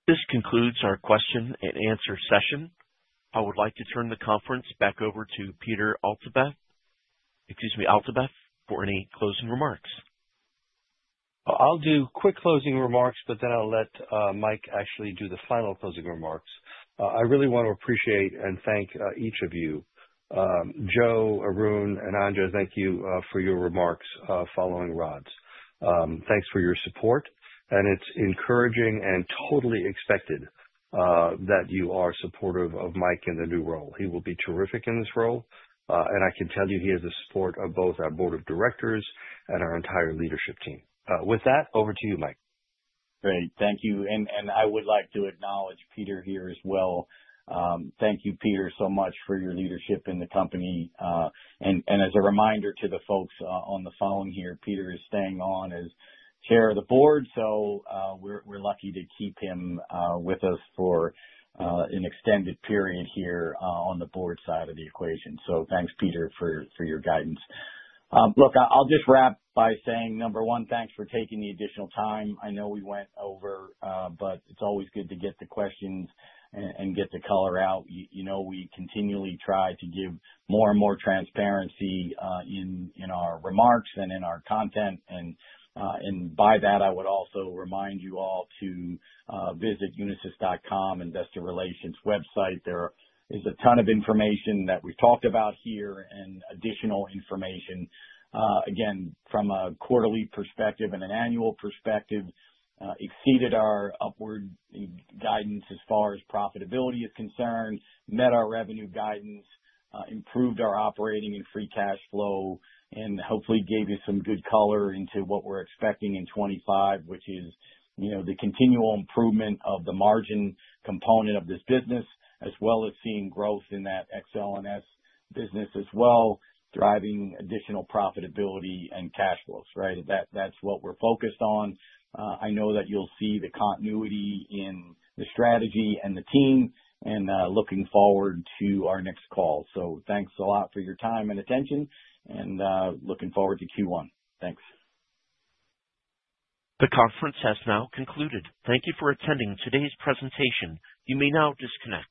This concludes our question and answer session. I would like to turn the conference back over to Peter Altabef, excuse me, Altabef, for any closing remarks. I'll do quick closing remarks, but then I'll let Mike actually do the final closing remarks. I really want to appreciate and thank each of you. Joe, Arun, and Anja, thank you for your remarks following Rod's. Thanks for your support. It is encouraging and totally expected that you are supportive of Mike in the new role. He will be terrific in this role. I can tell you he has the support of both our board of directors and our entire leadership team. With that, over to you, Mike. Great. Thank you. I would like to acknowledge Peter here as well. Thank you, Peter, so much for your leadership in the company. As a reminder to the folks on the phone here, Peter is staying on as chair of the board. We're lucky to keep him with us for an extended period here on the board side of the equation. Thanks, Peter, for your guidance. I'll just wrap by saying, number one, thanks for taking the additional time. I know we went over, but it's always good to get the questions and get the color out. We continually try to give more and more transparency in our remarks and in our content. By that, I would also remind you all to visit unisys.com and that's the relations website. There is a ton of information that we've talked about here and additional information. Again, from a quarterly perspective and an annual perspective, exceeded our upward guidance as far as profitability is concerned, met our revenue guidance, improved our operating and free cash flow, and hopefully gave you some good color into what we're expecting in 2025, which is the continual improvement of the margin component of this business, as well as seeing growth in that Ex-L&S business as well, driving additional profitability and cash flows, right? That's what we're focused on. I know that you'll see the continuity in the strategy and the team and looking forward to our next call. Thanks a lot for your time and attention, and looking forward to Q1. Thanks. The conference has now concluded. Thank you for attending today's presentation. You may now disconnect.